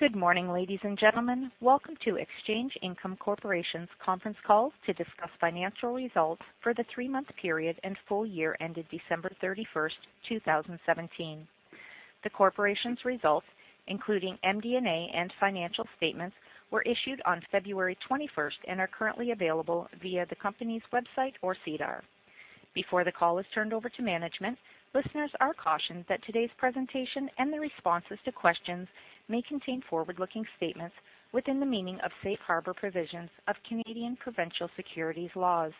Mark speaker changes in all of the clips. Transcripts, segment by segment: Speaker 1: Good morning, ladies and gentlemen. Welcome to Exchange Income Corporation's conference call to discuss financial results for the three-month period and full year ended December 31st, 2017. The corporation's results, including MD&A and financial statements, were issued on February 21st and are currently available via the company's website or SEDAR. Before the call is turned over to management, listeners are cautioned that today's presentation and the responses to questions may contain forward-looking statements within the meaning of safe harbor provisions of Canadian provincial securities laws.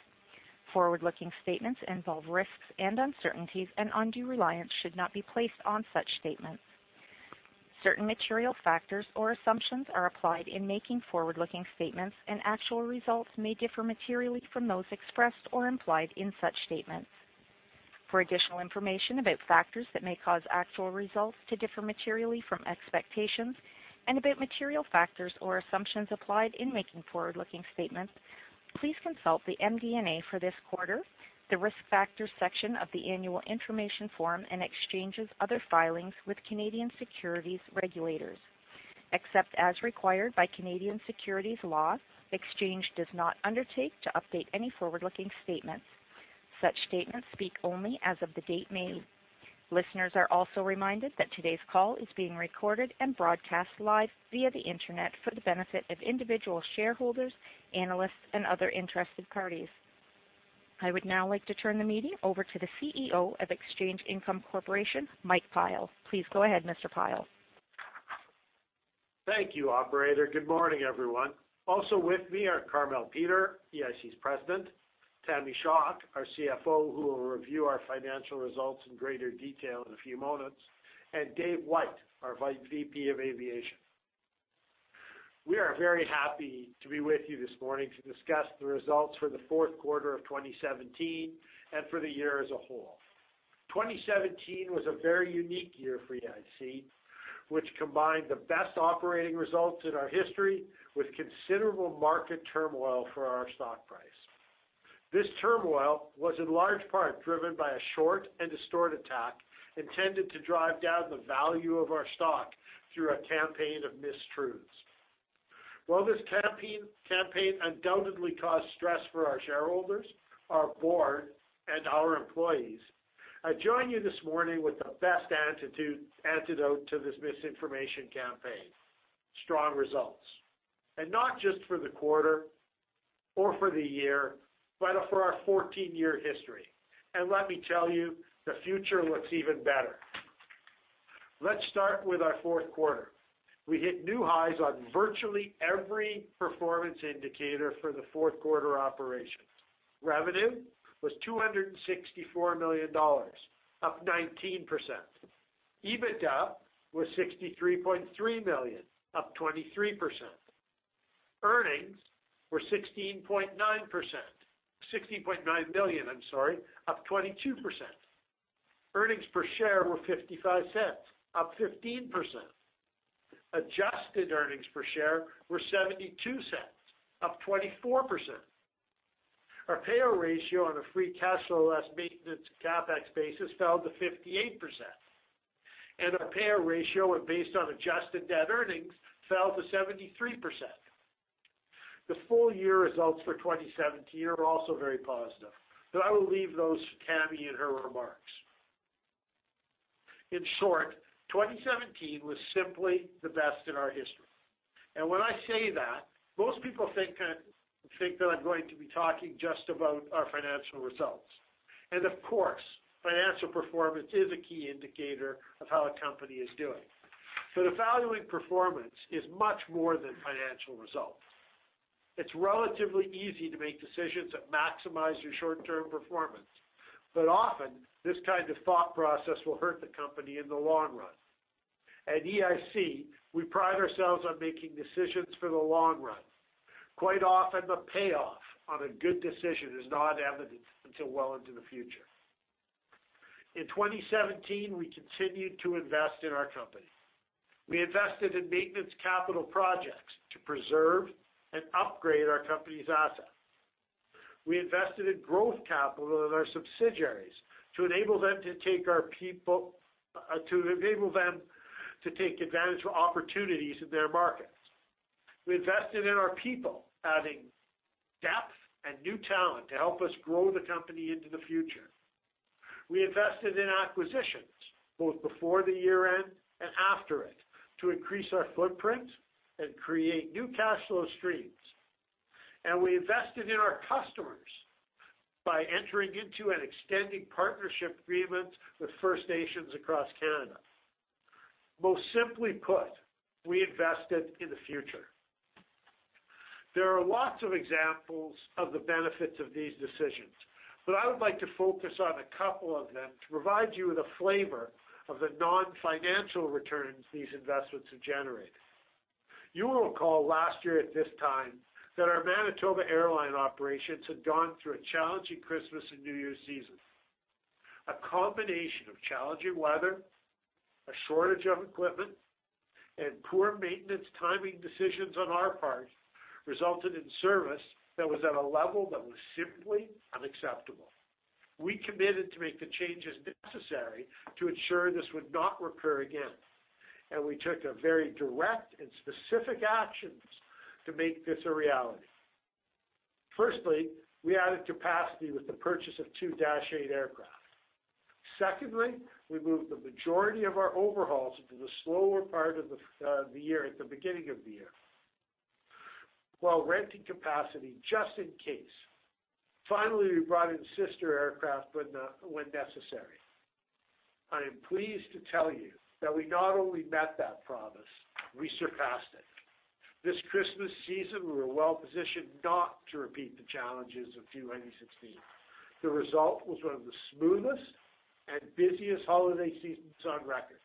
Speaker 1: Forward-looking statements involve risks and uncertainties, undue reliance should not be placed on such statements. Certain material factors or assumptions are applied in making forward-looking statements, actual results may differ materially from those expressed or implied in such statements. For additional information about factors that may cause actual results to differ materially from expectations about material factors or assumptions applied in making forward-looking statements, please consult the MD&A for this quarter, the Risk Factors section of the annual information form, Exchange's other filings with Canadian securities regulators. Except as required by Canadian securities law, Exchange does not undertake to update any forward-looking statements. Such statements speak only as of the date made. Listeners are also reminded that today's call is being recorded and broadcast live via the Internet for the benefit of individual shareholders, analysts, and other interested parties. I would now like to turn the meeting over to the CEO of Exchange Income Corporation, Mike Pyle. Please go ahead, Mr. Pyle.
Speaker 2: Thank you, operator. Good morning, everyone. Also with me are Carmele Peter, EIC's President, Tammy Schock, our CFO, who will review our financial results in greater detail in a few moments, Dave White, our VP of Aviation. We are very happy to be with you this morning to discuss the results for the fourth quarter of 2017 and for the year as a whole. 2017 was a very unique year for EIC, which combined the best operating results in our history with considerable market turmoil for our stock price. This turmoil was in large part driven by a short and distort attack intended to drive down the value of our stock through a campaign of mistruths. While this campaign undoubtedly caused stress for our shareholders, our board, and our employees, I join you this morning with the best antidote to this misinformation campaign: strong results. Not just for the quarter or for the year, but for our 14-year history. Let me tell you, the future looks even better. Let's start with our fourth quarter. We hit new highs on virtually every performance indicator for the fourth quarter operations. Revenue was 264 million dollars, up 19%. EBITDA was 63.3 million, up 23%. Earnings were 16.9 million, up 22%. Earnings per share were 0.55, up 15%. Adjusted earnings per share were 0.72, up 24%. Our payout ratio on a free cash flow less maintenance CapEx basis fell to 58%, our payout ratio when based on adjusted debt earnings fell to 73%. The full-year results for 2017 are also very positive, I will leave those for Tammy in her remarks. In short, 2017 was simply the best in our history. When I say that, most people think that I'm going to be talking just about our financial results. Of course, financial performance is a key indicator of how a company is doing. Evaluating performance is much more than financial results. It's relatively easy to make decisions that maximize your short-term performance, but often this kind of thought process will hurt the company in the long run. At EIC, we pride ourselves on making decisions for the long run. Quite often, the payoff on a good decision is not evident until well into the future. In 2017, we continued to invest in our company. We invested in maintenance capital projects to preserve and upgrade our company's assets. We invested in growth capital in our subsidiaries to enable them to take advantage of opportunities in their markets. We invested in our people, adding depth and new talent to help us grow the company into the future. We invested in acquisitions both before the year-end and after it to increase our footprint and create new cash flow streams. We invested in our customers by entering into an extending partnership agreement with First Nations across Canada. Most simply put, we invested in the future. There are lots of examples of the benefits of these decisions, but I would like to focus on a couple of them to provide you with a flavor of the non-financial returns these investments have generated. You will recall last year at this time that our Manitoba Airline operations had gone through a challenging Christmas and New Year's season. A combination of challenging weather, a shortage of equipment, and poor maintenance timing decisions on our part resulted in service that was at a level that was simply unacceptable. We committed to make the changes necessary to ensure this would not recur again, and we took very direct and specific actions to make this a reality. Firstly, we added capacity with the purchase of two Dash 8 aircraft. Secondly, we moved the majority of our overhauls into the slower part of the year at the beginning of the year, while renting capacity just in case. Finally, we brought in sister aircraft when necessary. I am pleased to tell you that we not only met that promise, we surpassed it. This Christmas season, we were well-positioned not to repeat the challenges of 2016. The result was one of the smoothest and busiest holiday seasons on record.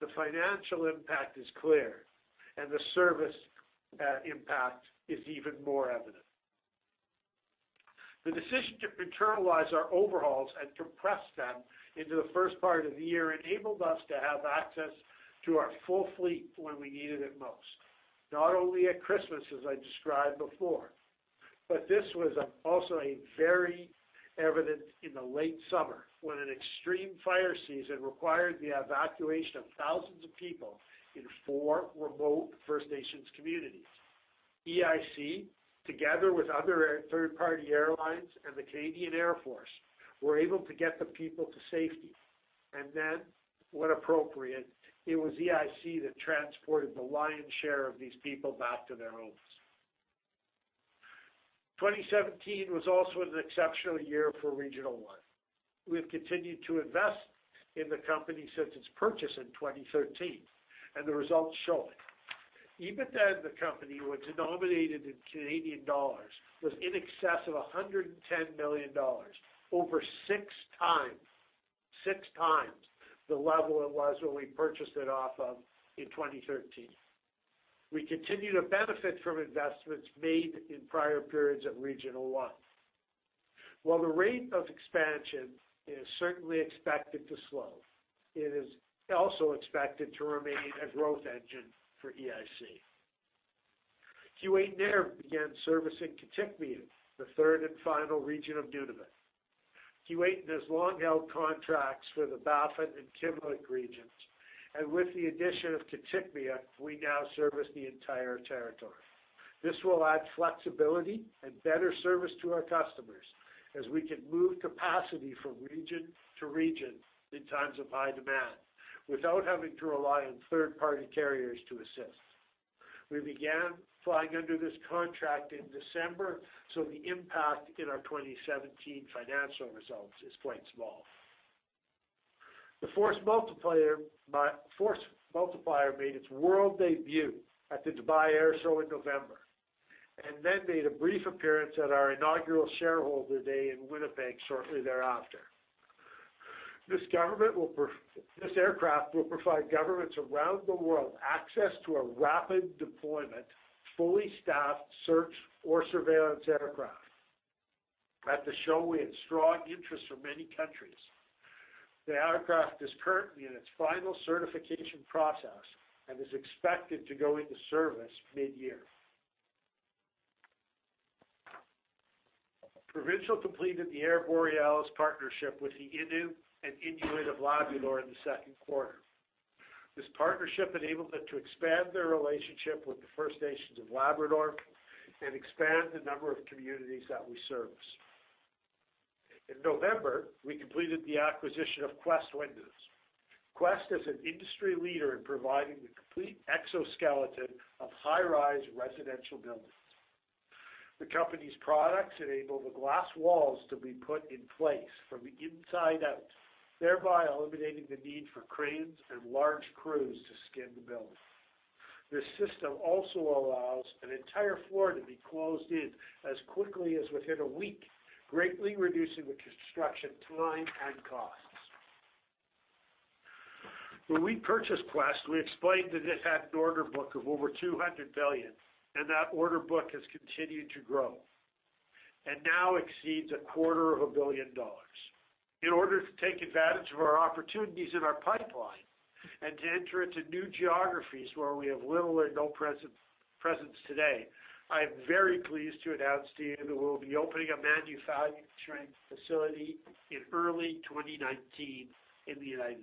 Speaker 2: The financial impact is clear, and the service impact is even more evident. The decision to internalize our overhauls and compress them into the first part of the year enabled us to have access to our full fleet when we needed it most, not only at Christmas, as I described before, but this was also very evident in the late summer, when an extreme fire season required the evacuation of thousands of people in four remote First Nations communities. EIC, together with other third-party airlines and the Canadian Air Force, were able to get the people to safety. Then, when appropriate, it was EIC that transported the lion's share of these people back to their homes. 2017 was also an exceptional year for Regional One. We have continued to invest in the company since its purchase in 2013, and the results show it. EBITDA of the company, which denominated in Canadian dollars, was in excess of 110 million dollars, over six times the level it was when we purchased it in 2013. We continue to benefit from investments made in prior periods at Regional One. While the rate of expansion is certainly expected to slow, it is also expected to remain a growth engine for EIC. Keewatin began servicing Kitikmeot, the third and final region of Nunavut. Keewatin has long-held contracts for the Baffin and Kivalliq regions, and with the addition of Kitikmeot, we now service the entire territory. This will add flexibility and better service to our customers, as we can move capacity from region to region in times of high demand without having to rely on third-party carriers to assist. We began flying under this contract in December, the impact in our 2017 financial results is quite small. The Force Multiplier made its world debut at the Dubai Airshow in November, made a brief appearance at our inaugural shareholder day in Winnipeg shortly thereafter. This aircraft will provide governments around the world access to a rapid deployment, fully staffed search or surveillance aircraft. At the show, we had strong interest from many countries. The aircraft is currently in its final certification process and is expected to go into service mid-year. Provincial completed the Air Borealis partnership with the Innu and Inuit of Labrador in the second quarter. This partnership enabled them to expand their relationship with the First Nations of Labrador and expand the number of communities that we service. In November, we completed the acquisition of Quest Windows. Quest is an industry leader in providing the complete exoskeleton of high-rise residential buildings. The company's products enable the glass walls to be put in place from the inside out, thereby eliminating the need for cranes and large crews to skin the building. This system also allows an entire floor to be closed in as quickly as within a week, greatly reducing the construction time and costs. When we purchased Quest, we explained that it had an order book of over 200 billion, that order book has continued to grow and now exceeds a quarter of a billion dollars. In order to take advantage of our opportunities in our pipeline and to enter into new geographies where we have little or no presence today, I am very pleased to announce to you that we will be opening a manufacturing facility in early 2019 in the U.S.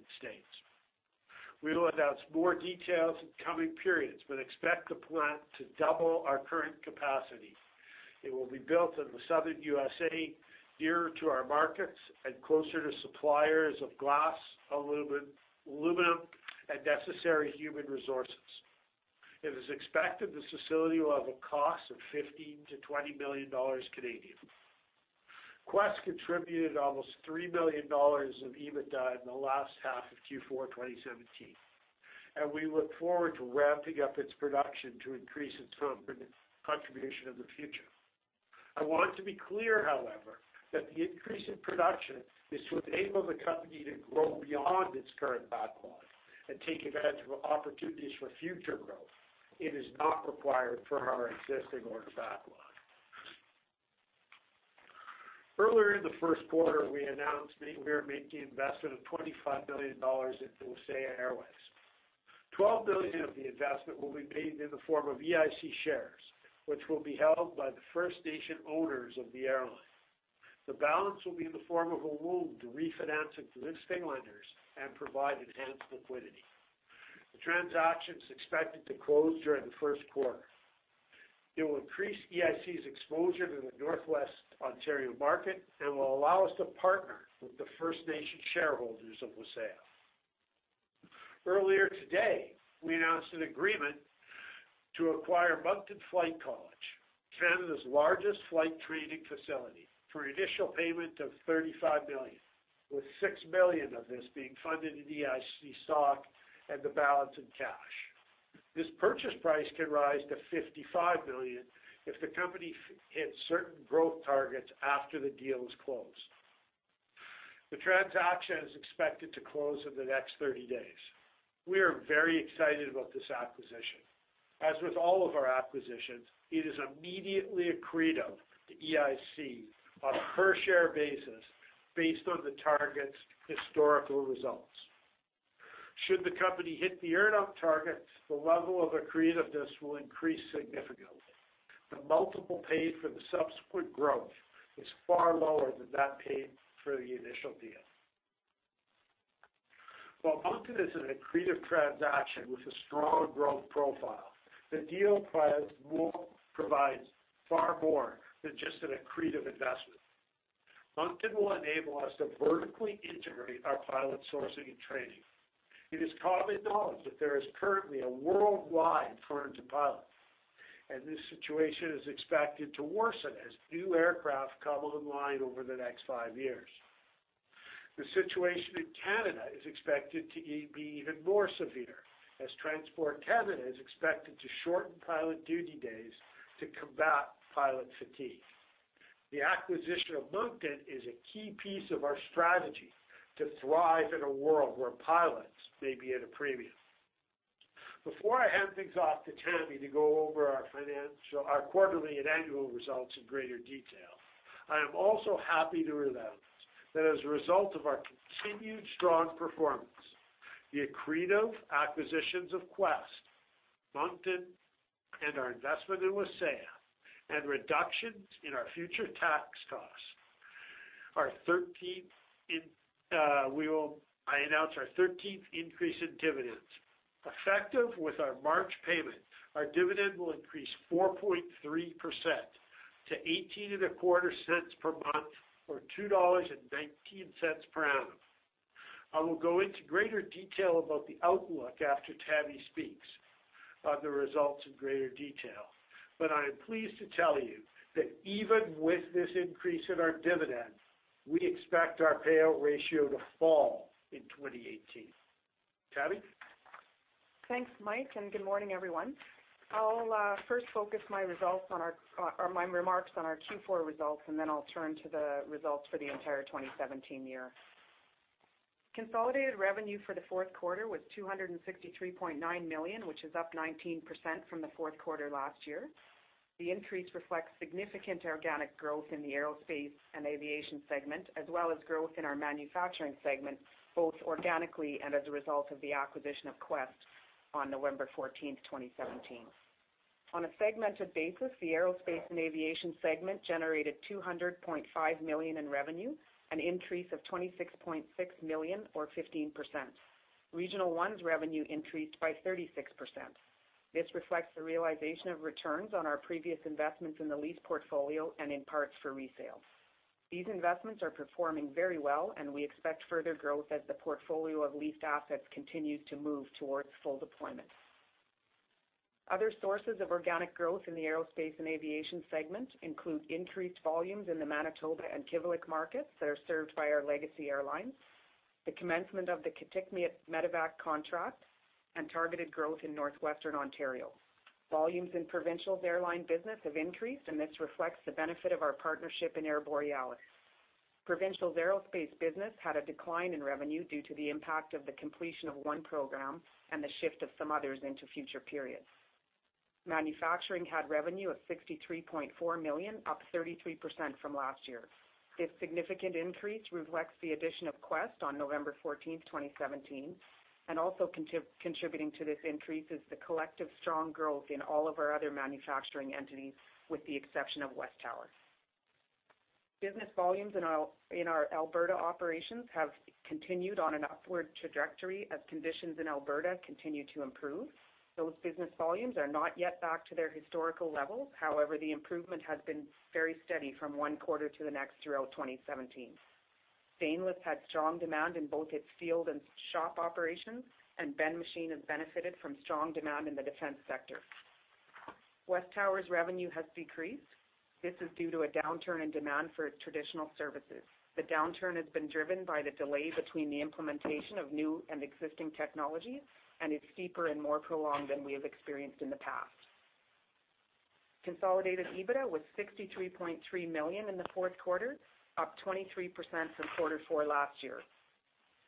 Speaker 2: We will announce more details in coming periods, but expect the plant to double our current capacity. It will be built in the southern USA, nearer to our markets and closer to suppliers of glass, aluminum, and necessary human resources. It is expected this facility will have a cost of 15 million to 20 million dollars. Quest contributed almost 3 million dollars of EBITDA in the last half of Q4 2017, we look forward to ramping up its production to increase its contribution in the future. I want to be clear, however, that the increase in production is to enable the company to grow beyond its current backlog and take advantage of opportunities for future growth. It is not required for our existing order backlog. Earlier in the first quarter, we announced we are making an investment of 25 million dollars into Wasaya Airways. 12 billion of the investment will be made in the form of EIC shares, which will be held by the First Nation owners of the airline. The balance will be in the form of a loan to refinance existing lenders and provide enhanced liquidity. The transaction is expected to close during the first quarter. It will increase EIC's exposure to the Northwest Ontario market and will allow us to partner with the First Nation shareholders of Wasaya. Earlier today, we announced an agreement to acquire Moncton Flight College, Canada's largest flight training facility, for an initial payment of 35 million, with 6 million of this being funded in EIC stock and the balance in cash. This purchase price can rise to 55 million if the company hits certain growth targets after the deal is closed. The transaction is expected to close in the next 30 days. We are very excited about this acquisition. As with all of our acquisitions, it is immediately accretive to EIC on a per-share basis based on the target's historical results. Should the company hit the earn-out targets, the level of accretiveness will increase significantly. The multiple paid for the subsequent growth is far lower than that paid for the initial deal. While Moncton is an accretive transaction with a strong growth profile, the deal provides far more than just an accretive investment. Moncton will enable us to vertically integrate our pilot sourcing and training. It is common knowledge that there is currently a worldwide crunch of pilots, and this situation is expected to worsen as new aircraft come online over the next five years. The situation in Canada is expected to be even more severe, as Transport Canada is expected to shorten pilot duty days to combat pilot fatigue. The acquisition of Moncton is a key piece of our strategy to thrive in a world where pilots may be at a premium. Before I hand things off to Tammy to go over our quarterly and annual results in greater detail, I am also happy to announce that as a result of our continued strong performance, the accretive acquisitions of Quest, Moncton, and our investment in Wasaya, and reductions in our future tax costs, I announce our 13th increase in dividends. Effective with our March payment, our dividend will increase 4.3% to 0.1825 per month or 2.19 dollars per annum. I will go into greater detail about the outlook after Tammy speaks about the results in greater detail, but I am pleased to tell you that even with this increase in our dividend, we expect our payout ratio to fall in 2018. Tammy?
Speaker 3: Thanks, Mike, good morning, everyone. I'll first focus my remarks on our Q4 results, and then I'll turn to the results for the entire 2017 year. Consolidated revenue for the fourth quarter was 263.9 million, which is up 19% from the fourth quarter last year. The increase reflects significant organic growth in the aerospace and aviation segment, as well as growth in our manufacturing segment, both organically and as a result of the acquisition of Quest on November 14th, 2017. On a segmented basis, the aerospace and aviation segment generated 200.5 million in revenue, an increase of 26.6 million or 15%. Regional One's revenue increased by 36%. This reflects the realization of returns on our previous investments in the lease portfolio and in parts for resale. These investments are performing very well, and we expect further growth as the portfolio of leased assets continues to move towards full deployment. Other sources of organic growth in the Aerospace and Aviation segment include increased volumes in the Manitoba and Kivalliq markets that are served by our Legacy Airlines, the commencement of the Kitikmeot medevac contract, and targeted growth in Northwestern Ontario. Volumes in Provincial's airline business have increased, this reflects the benefit of our partnership in Air Borealis. Provincial's aerospace business had a decline in revenue due to the impact of the completion of one program and the shift of some others into future periods. Manufacturing had revenue of 63.4 million, up 33% from last year. This significant increase reflects the addition of Quest on November 14th, 2017, also contributing to this increase is the collective strong growth in all of our other manufacturing entities, with the exception of WesTower. Business volumes in our Alberta operations have continued on an upward trajectory as conditions in Alberta continue to improve. Those business volumes are not yet back to their historical levels. The improvement has been very steady from one quarter to the next throughout 2017. Stainless had strong demand in both its field and shop operations, Ben Machine has benefited from strong demand in the defense sector. WesTower's revenue has decreased. This is due to a downturn in demand for its traditional services. The downturn has been driven by the delay between the implementation of new and existing technologies and is deeper and more prolonged than we have experienced in the past. Consolidated EBITDA was 63.3 million in the fourth quarter, up 23% from quarter four last year.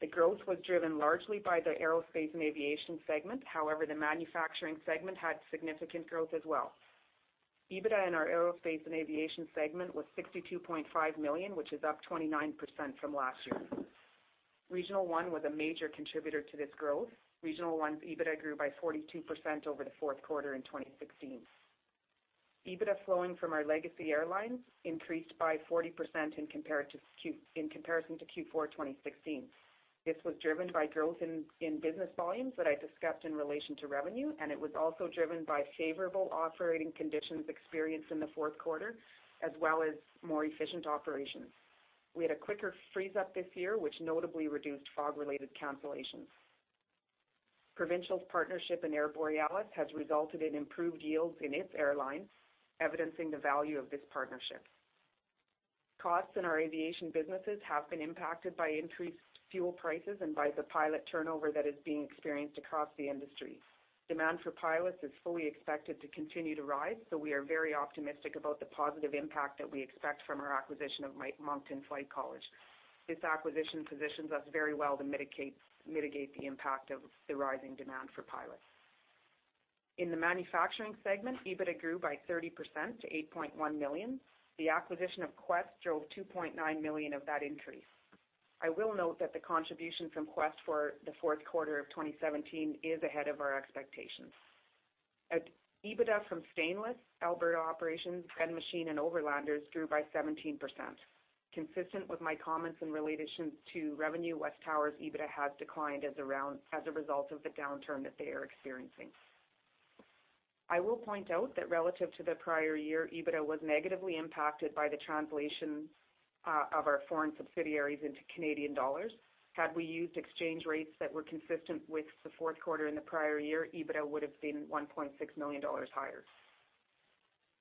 Speaker 3: The growth was driven largely by the Aerospace and Aviation segment. The Manufacturing segment had significant growth as well. EBITDA in our Aerospace and Aviation segment was 62.5 million, which is up 29% from last year. Regional One was a major contributor to this growth. Regional One's EBITDA grew by 42% over the fourth quarter in 2016. EBITDA flowing from our Legacy Airlines increased by 40% in comparison to Q4 2016. This was driven by growth in business volumes that I discussed in relation to revenue, it was also driven by favorable operating conditions experienced in the fourth quarter, as well as more efficient operations. We had a quicker freeze-up this year, which notably reduced fog-related cancellations. Provincial's partnership in Air Borealis has resulted in improved yields in its airlines, evidencing the value of this partnership. Costs in our aviation businesses have been impacted by increased fuel prices and by the pilot turnover that is being experienced across the industry. Demand for pilots is fully expected to continue to rise, we are very optimistic about the positive impact that we expect from our acquisition of Moncton Flight College. This acquisition positions us very well to mitigate the impact of the rising demand for pilots. In the Manufacturing segment, EBITDA grew by 30% to 8.1 million. The acquisition of Quest drove 2.9 million of that increase. I will note that the contribution from Quest for the fourth quarter of 2017 is ahead of our expectations. EBITDA from Stainless, Alberta Operations, Ben Machine, and Overlanders grew by 17%. Consistent with my comments in relation to revenue, WesTower's EBITDA has declined as a result of the downturn that they are experiencing. I will point out that relative to the prior year, EBITDA was negatively impacted by the translation of our foreign subsidiaries into Canadian dollars. Had we used exchange rates that were consistent with the fourth quarter in the prior year, EBITDA would've been 1.6 million dollars higher.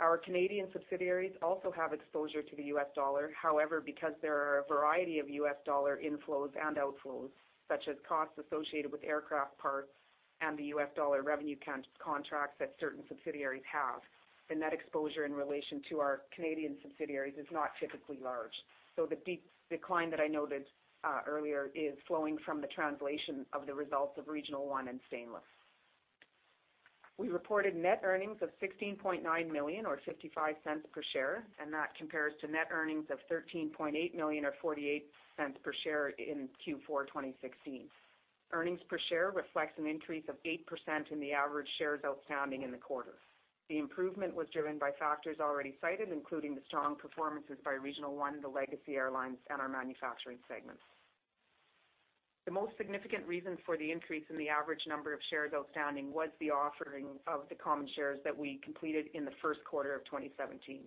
Speaker 3: Our Canadian subsidiaries also have exposure to the US dollar. However, because there are a variety of US dollar inflows and outflows, such as costs associated with aircraft parts and the US dollar revenue contracts that certain subsidiaries have, the net exposure in relation to our Canadian subsidiaries is not typically large. The decline that I noted earlier is flowing from the translation of the results of Regional One and Stainless. We reported net earnings of 16.9 million or 0.55 per share, and that compares to net earnings of 13.8 million or 0.48 per share in Q4 2016. Earnings per share reflects an increase of 8% in the average shares outstanding in the quarter. The improvement was driven by factors already cited, including the strong performances by Regional One, the Legacy Airlines, and our manufacturing segments. The most significant reason for the increase in the average number of shares outstanding was the offering of the common shares that we completed in the first quarter of 2017.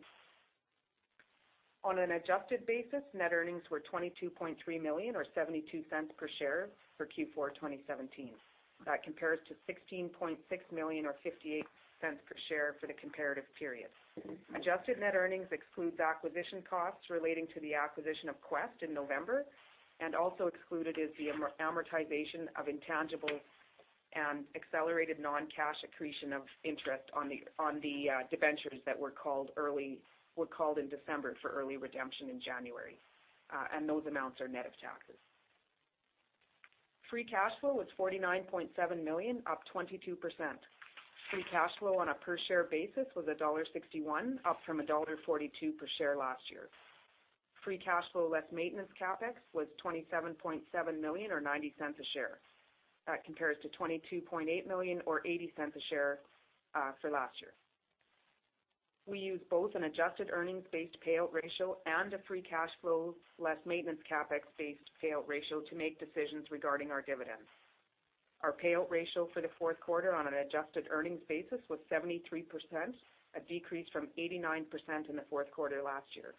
Speaker 3: On an adjusted basis, net earnings were 22.3 million or 0.72 per share for Q4 2017. That compares to 16.6 million or 0.58 per share for the comparative period. Adjusted net earnings excludes acquisition costs relating to the acquisition of Quest in November, and also excluded is the amortization of intangible and accelerated non-cash accretion of interest on the debentures that were called in December for early redemption in January. Those amounts are net of taxes. Free cash flow was 49.7 million, up 22%. Free cash flow on a per share basis was dollar 1.61, up from dollar 1.42 per share last year. Free cash flow less maintenance CapEx was 27.7 million or 0.90 a share. That compares to 22.8 million or 0.80 a share for last year. We use both an adjusted earnings-based payout ratio and a free cash flow less maintenance CapEx-based payout ratio to make decisions regarding our dividends. Our payout ratio for the fourth quarter on an adjusted earnings basis was 73%, a decrease from 89% in the fourth quarter last year.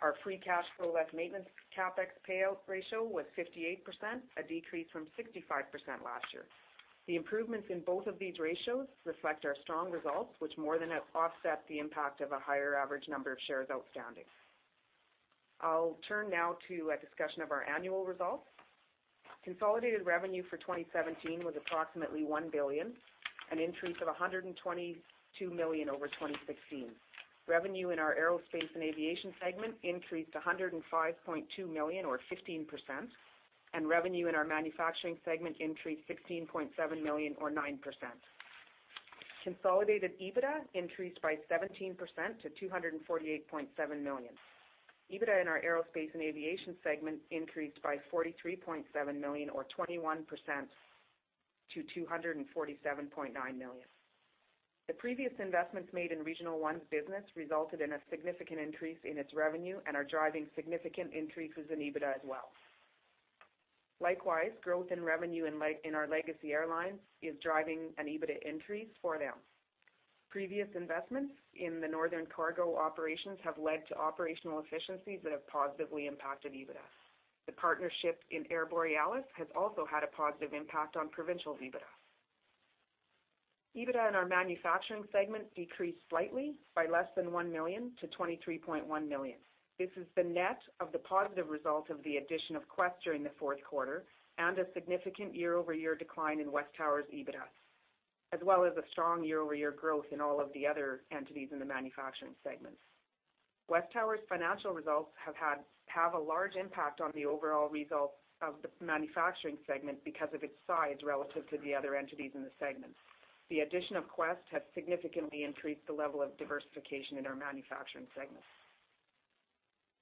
Speaker 3: Our free cash flow less maintenance CapEx payout ratio was 58%, a decrease from 65% last year. The improvements in both of these ratios reflect our strong results, which more than offset the impact of a higher average number of shares outstanding. I'll turn now to a discussion of our annual results. Consolidated revenue for 2017 was approximately one billion, an increase of 122 million over 2016. Revenue in our aerospace and aviation segment increased 105.2 million or 15%, and revenue in our manufacturing segment increased 16.7 million or 9%. Consolidated EBITDA increased by 17% to 248.7 million. EBITDA in our aerospace and aviation segment increased by 43.7 million or 21% to 247.9 million. The previous investments made in Regional One's business resulted in a significant increase in its revenue and are driving significant increases in EBITDA as well. Likewise, growth in revenue in our Legacy Airlines is driving an EBITDA increase for them. Previous investments in the northern cargo operations have led to operational efficiencies that have positively impacted EBITDA. The partnership in Air Borealis has also had a positive impact on Provincial's EBITDA. EBITDA in our manufacturing segment decreased slightly by less than one million to 23.1 million. This is the net of the positive result of the addition of Quest during the fourth quarter and a significant year-over-year decline in WesTower's EBITDA, as well as a strong year-over-year growth in all of the other entities in the manufacturing segments. WesTower's financial results have a large impact on the overall results of the manufacturing segment because of its size relative to the other entities in the segment. The addition of Quest has significantly increased the level of diversification in our manufacturing segment.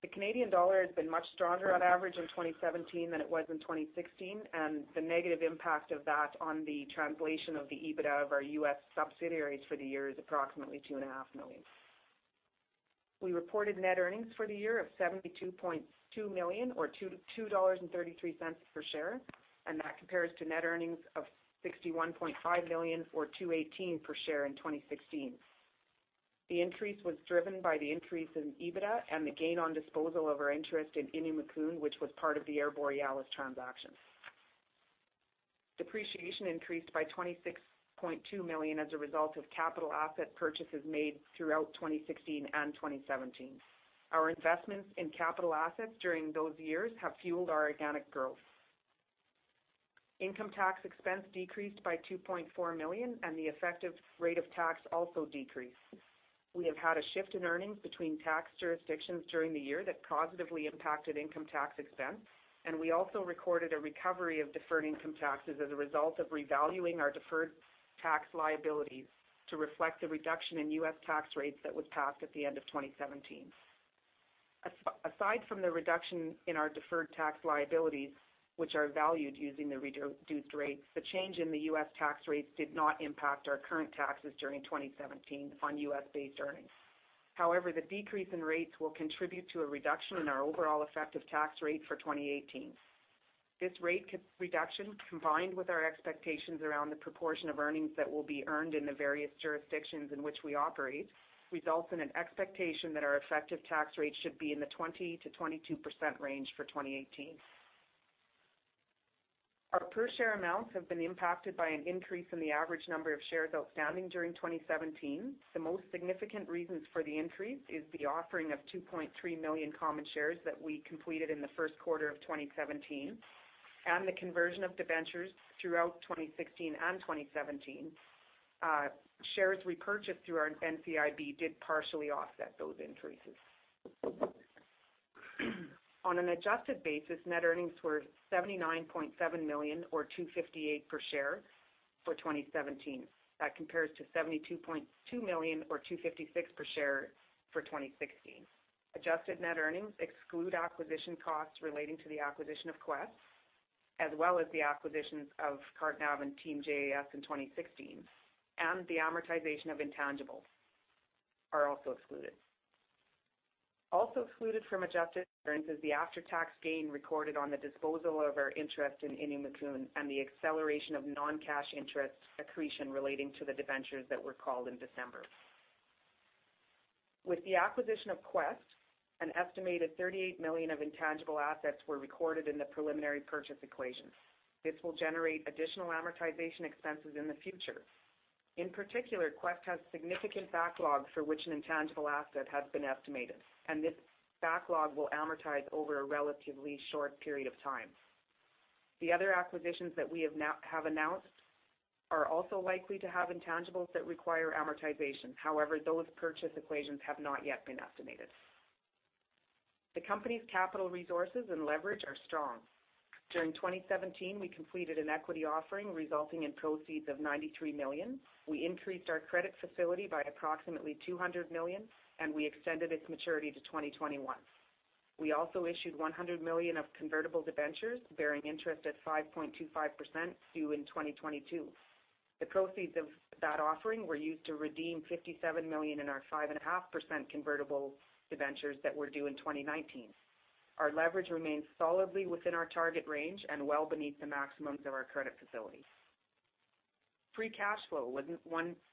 Speaker 3: The Canadian dollar has been much stronger on average in 2017 than it was in 2016, and the negative impact of that on the translation of the EBITDA of our U.S. subsidiaries for the year is approximately two and a half million CAD. We reported net earnings for the year of 72.2 million or 2.33 dollars per share. That compares to net earnings of 61.5 million or 2.18 per share in 2016. The increase was driven by the increase in EBITDA and the gain on disposal of our interest in Innu Mikun, which was part of the Air Borealis transaction. Depreciation increased by 26.2 million as a result of capital asset purchases made throughout 2016 and 2017. Our investments in capital assets during those years have fueled our organic growth. Income tax expense decreased by 2.4 million. The effective rate of tax also decreased. We have had a shift in earnings between tax jurisdictions during the year that positively impacted income tax expense. We also recorded a recovery of deferred income taxes as a result of revaluing our deferred tax liabilities to reflect the reduction in U.S. tax rates that was passed at the end of 2017. Aside from the reduction in our deferred tax liabilities, which are valued using the reduced rates, the change in the U.S. tax rates did not impact our current taxes during 2017 on U.S.-based earnings. However, the decrease in rates will contribute to a reduction in our overall effective tax rate for 2018. This rate reduction, combined with our expectations around the proportion of earnings that will be earned in the various jurisdictions in which we operate, results in an expectation that our effective tax rate should be in the 20%-22% range for 2018. Our per share amounts have been impacted by an increase in the average number of shares outstanding during 2017. The most significant reasons for the increase is the offering of 2.3 million common shares that we completed in the first quarter of 2017 and the conversion of debentures throughout 2016 and 2017. Shares repurchased through our NCIB did partially offset those increases. On an adjusted basis, net earnings were 79.7 million or 2.58 per share for 2017. That compares to 72.2 million or 2.56 per share for 2016. Adjusted net earnings exclude acquisition costs relating to the acquisition of Quest, as well as the acquisitions of CarteNav and Team JAS in 2016, and the amortization of intangibles are also excluded. Also excluded from adjusted earnings is the after-tax gain recorded on the disposal of our interest in Innu Mikun and the acceleration of non-cash interest accretion relating to the debentures that were called in December. With the acquisition of Quest, an estimated 38 million of intangible assets were recorded in the preliminary purchase allocation. This will generate additional amortization expenses in the future. In particular, Quest has significant backlogs for which an intangible asset has been estimated, and this backlog will amortize over a relatively short period of time. The other acquisitions that we have announced are also likely to have intangibles that require amortization. However, those purchase allocations have not yet been estimated. The company's capital resources and leverage are strong. During 2017, we completed an equity offering resulting in proceeds of 93 million. We increased our credit facility by approximately 200 million, and we extended its maturity to 2021. We also issued 100 million of convertible debentures bearing interest at 5.25%, due in 2022. The proceeds of that offering were used to redeem 57 million in our 5.5% convertible debentures that were due in 2019. Our leverage remains solidly within our target range and well beneath the maximums of our credit facility. Free cash flow was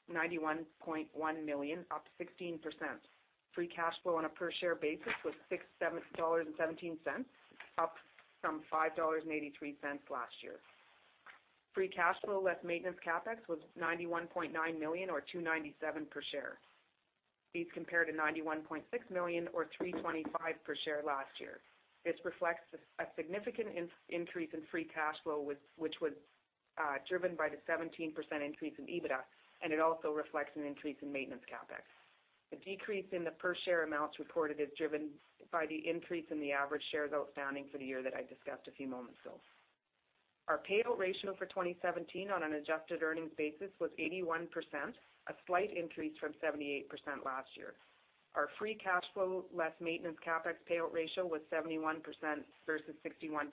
Speaker 3: 91.1 million, up 16%. Free cash flow on a per share basis was 6.17 dollars, up from 5.83 dollars last year. Free cash flow less maintenance CapEx was 91.9 million or 2.97 per share. These compare to 91.6 million or 3.25 per share last year. This reflects a significant increase in free cash flow which was driven by the 17% increase in EBITDA, and it also reflects an increase in maintenance CapEx. The decrease in the per share amounts reported is driven by the increase in the average shares outstanding for the year that I discussed a few moments ago. Our payout ratio for 2017 on an adjusted earnings basis was 81%, a slight increase from 78% last year. Our free cash flow less maintenance CapEx payout ratio was 71% versus 61%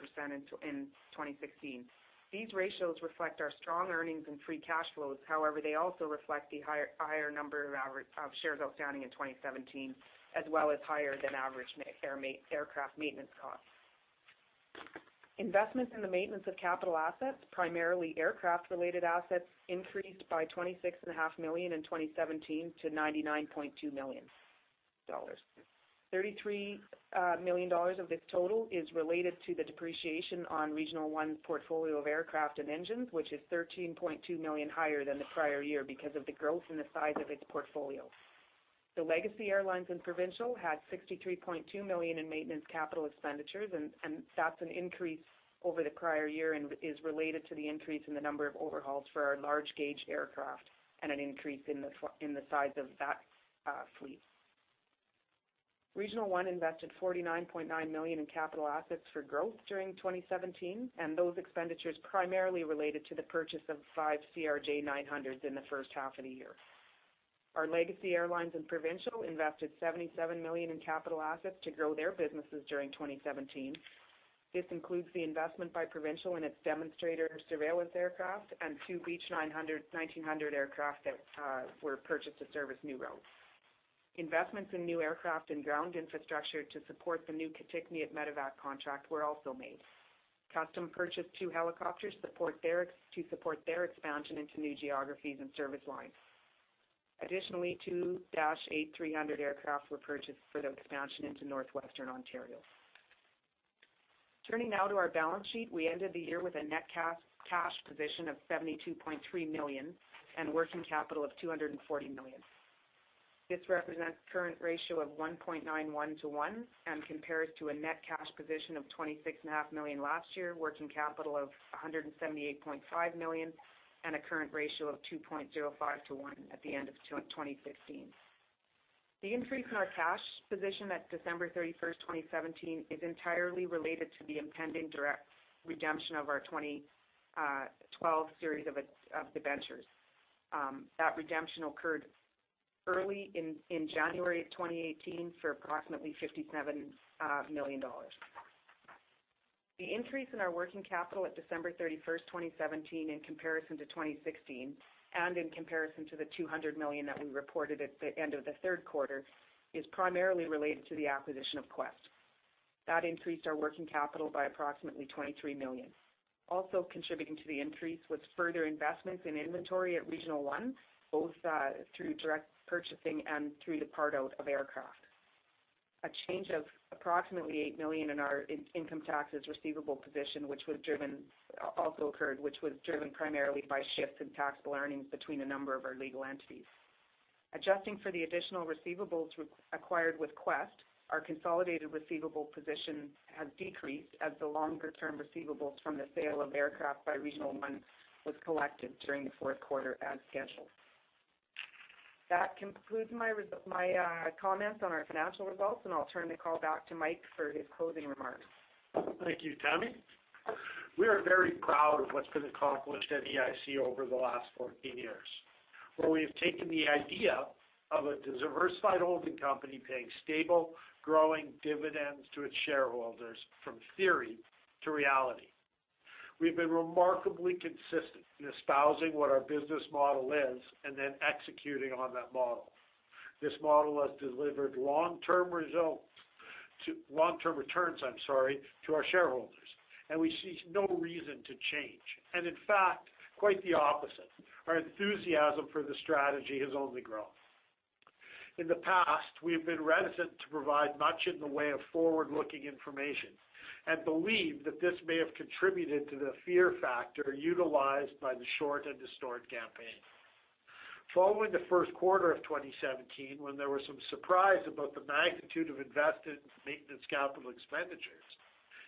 Speaker 3: in 2016. These ratios reflect our strong earnings and free cash flows. However, they also reflect the higher number of shares outstanding in 2017, as well as higher than average aircraft maintenance costs. Investments in the maintenance of capital assets, primarily aircraft-related assets, increased by 26.5 million in 2017 to 99.2 million dollars. 33 million dollars of this total is related to the depreciation on Regional One's portfolio of aircraft and engines, which is 13.2 million higher than the prior year because of the growth in the size of its portfolio. The Legacy Airlines and Provincial had 63.2 million in maintenance capital expenditures, and that's an increase over the prior year and is related to the increase in the number of overhauls for our large gauge aircraft and an increase in the size of that fleet. Regional One invested 49.9 million in capital assets for growth during 2017, and those expenditures primarily related to the purchase of five CRJ900s in the first half of the year. Our Legacy Airlines and Provincial invested 77 million in capital assets to grow their businesses during 2017. This includes the investment by Provincial and its demonstrator surveillance aircraft and two Beech 1900 aircraft that were purchased to service new routes. Investments in new aircraft and ground infrastructure to support the new Kitikmeot Medevac contract were also made. Custom purchased two helicopters to support their expansion into new geographies and service lines. Additionally, two Dash 8-300 aircraft were purchased for the expansion into Northwestern Ontario. Turning now to our balance sheet. We ended the year with a net cash position of 72.3 million and working capital of 240 million. This represents current ratio of 1.91:1 and compares to a net cash position of 26.5 million last year, working capital of 178.5 million, and a current ratio of 2.05:1 at the end of 2016. The increase in our cash position at December 31st, 2017, is entirely related to the impending direct redemption of our 2012 series of debentures. That redemption occurred early in January of 2018 for approximately 57 million dollars. The increase in our working capital at December 31st, 2017, in comparison to 2016 and in comparison to the 200 million that we reported at the end of the third quarter is primarily related to the acquisition of Quest. That increased our working capital by approximately 23 million. Also contributing to the increase was further investments in inventory at Regional One, both through direct purchasing and through the part-out of aircraft. A change of approximately 8 million in our income taxes receivable position also occurred, which was driven primarily by shifts in taxable earnings between a number of our legal entities. Adjusting for the additional receivables acquired with Quest, our consolidated receivable position has decreased as the longer-term receivables from the sale of aircraft by Regional One was collected during the fourth quarter as scheduled. That concludes my comments on our financial results, and I'll turn the call back to Mike for his closing remarks.
Speaker 2: Thank you, Tammy. We are very proud of what's been accomplished at EIC over the last 14 years, where we have taken the idea of a diversified holding company paying stable, growing dividends to its shareholders from theory to reality. We've been remarkably consistent in espousing what our business model is and then executing on that model. This model has delivered long-term returns to our shareholders, and we see no reason to change, in fact, quite the opposite. Our enthusiasm for the strategy has only grown. In the past, we have been reticent to provide much in the way of forward-looking information and believe that this may have contributed to the fear factor utilized by the short and distort campaign. Following the first quarter of 2017, when there was some surprise about the magnitude of invested maintenance capital expenditures,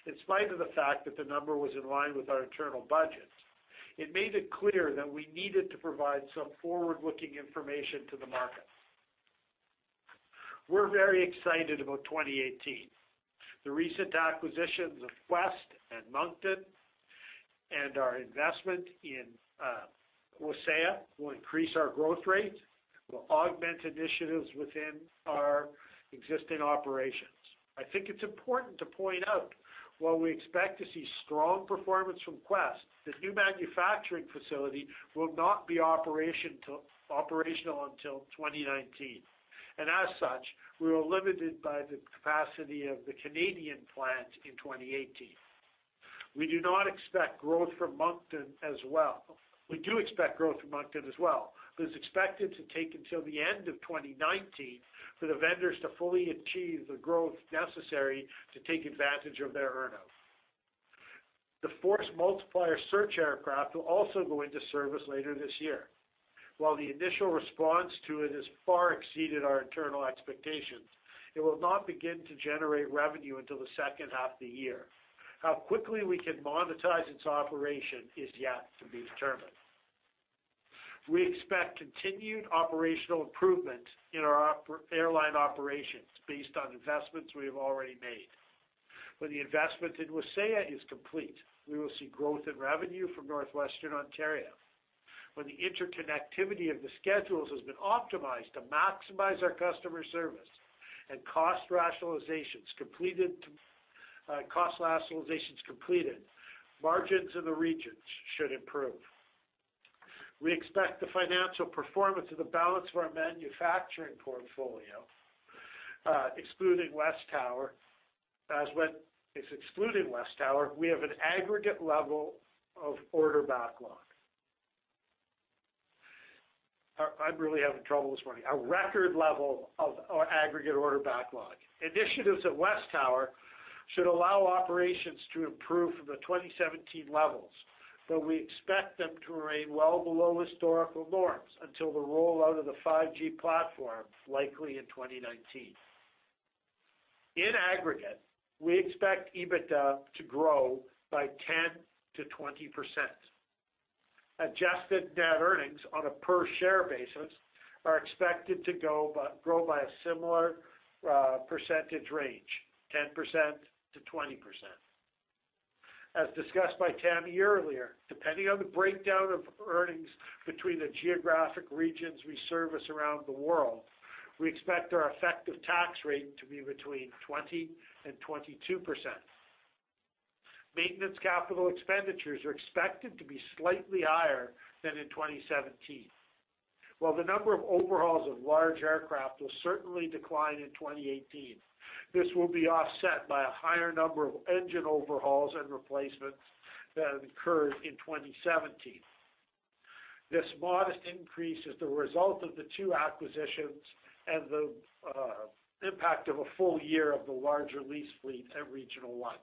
Speaker 2: in spite of the fact that the number was in line with our internal budgets, it made it clear that we needed to provide some forward-looking information to the market. We're very excited about 2018. The recent acquisitions of Quest and Moncton and our investment in Wasaya will increase our growth rate, will augment initiatives within our existing operations. I think it's important to point out while we expect to see strong performance from Quest, this new manufacturing facility will not be operational until 2019, as such, we are limited by the capacity of the Canadian plant in 2018. We do expect growth from Moncton as well. It is expected to take until the end of 2019 for the vendors to fully achieve the growth necessary to take advantage of their earn-out. The Force Multiplier search aircraft will also go into service later this year. While the initial response to it has far exceeded our internal expectations, it will not begin to generate revenue until the second half of the year. How quickly we can monetize its operation is yet to be determined. We expect continued operational improvement in our airline operations based on investments we have already made. When the investment in Wasaya is complete, we will see growth in revenue from northwestern Ontario. When the interconnectivity of the schedules has been optimized to maximize our customer service and cost rationalizations completed, margins in the regions should improve. We expect the financial performance of the balance of our manufacturing portfolio, excluding WesTower, we have an aggregate level of order backlog. I'm really having trouble this morning. A record level of our aggregate order backlog. Initiatives at WesTower should allow operations to improve from the 2017 levels, but we expect them to remain well below historical norms until the rollout of the 5G platform, likely in 2019. In aggregate, we expect EBITDA to grow by 10%-20%. Adjusted net earnings on a per share basis are expected to grow by a similar percentage range, 10%-20%. As discussed by Tammy earlier, depending on the breakdown of earnings between the geographic regions we service around the world, we expect our effective tax rate to be between 20% and 22%. Maintenance capital expenditures are expected to be slightly higher than in 2017. While the number of overhauls of large aircraft will certainly decline in 2018, this will be offset by a higher number of engine overhauls and replacements than occurred in 2017. This modest increase is the result of the two acquisitions and the impact of a full year of the larger lease fleet at Regional One.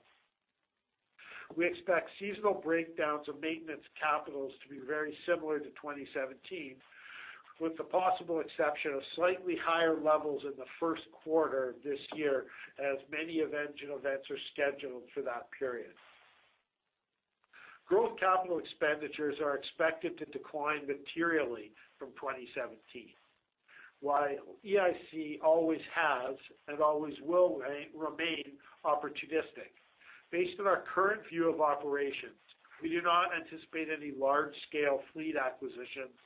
Speaker 2: We expect seasonal breakdowns of maintenance capitals to be very similar to 2017, with the possible exception of slightly higher levels in the first quarter this year as many event units are scheduled for that period. Growth capital expenditures are expected to decline materially from 2017. While EIC always has and always will remain opportunistic, based on our current view of operations, we do not anticipate any large-scale fleet acquisitions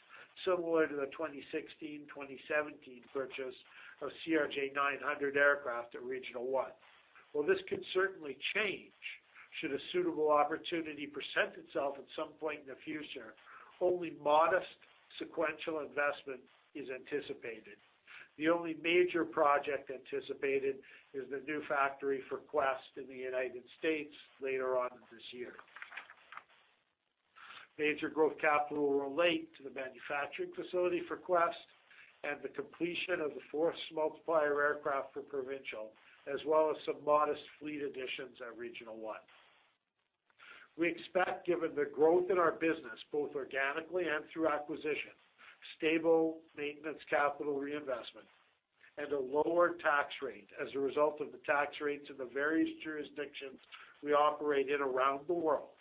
Speaker 2: similar to the 2016/2017 purchase of CRJ900 aircraft at Regional One. While this could certainly change should a suitable opportunity present itself at some point in the future, only modest sequential investment is anticipated. The only major project anticipated is the new factory for Quest in the U.S. later on this year. Major growth capital will relate to the manufacturing facility for Quest and the completion of the Force Multiplier aircraft for Provincial, as well as some modest fleet additions at Regional One. We expect, given the growth in our business, both organically and through acquisition, stable maintenance capital reinvestment, and a lower tax rate as a result of the tax rates of the various jurisdictions we operate in around the world,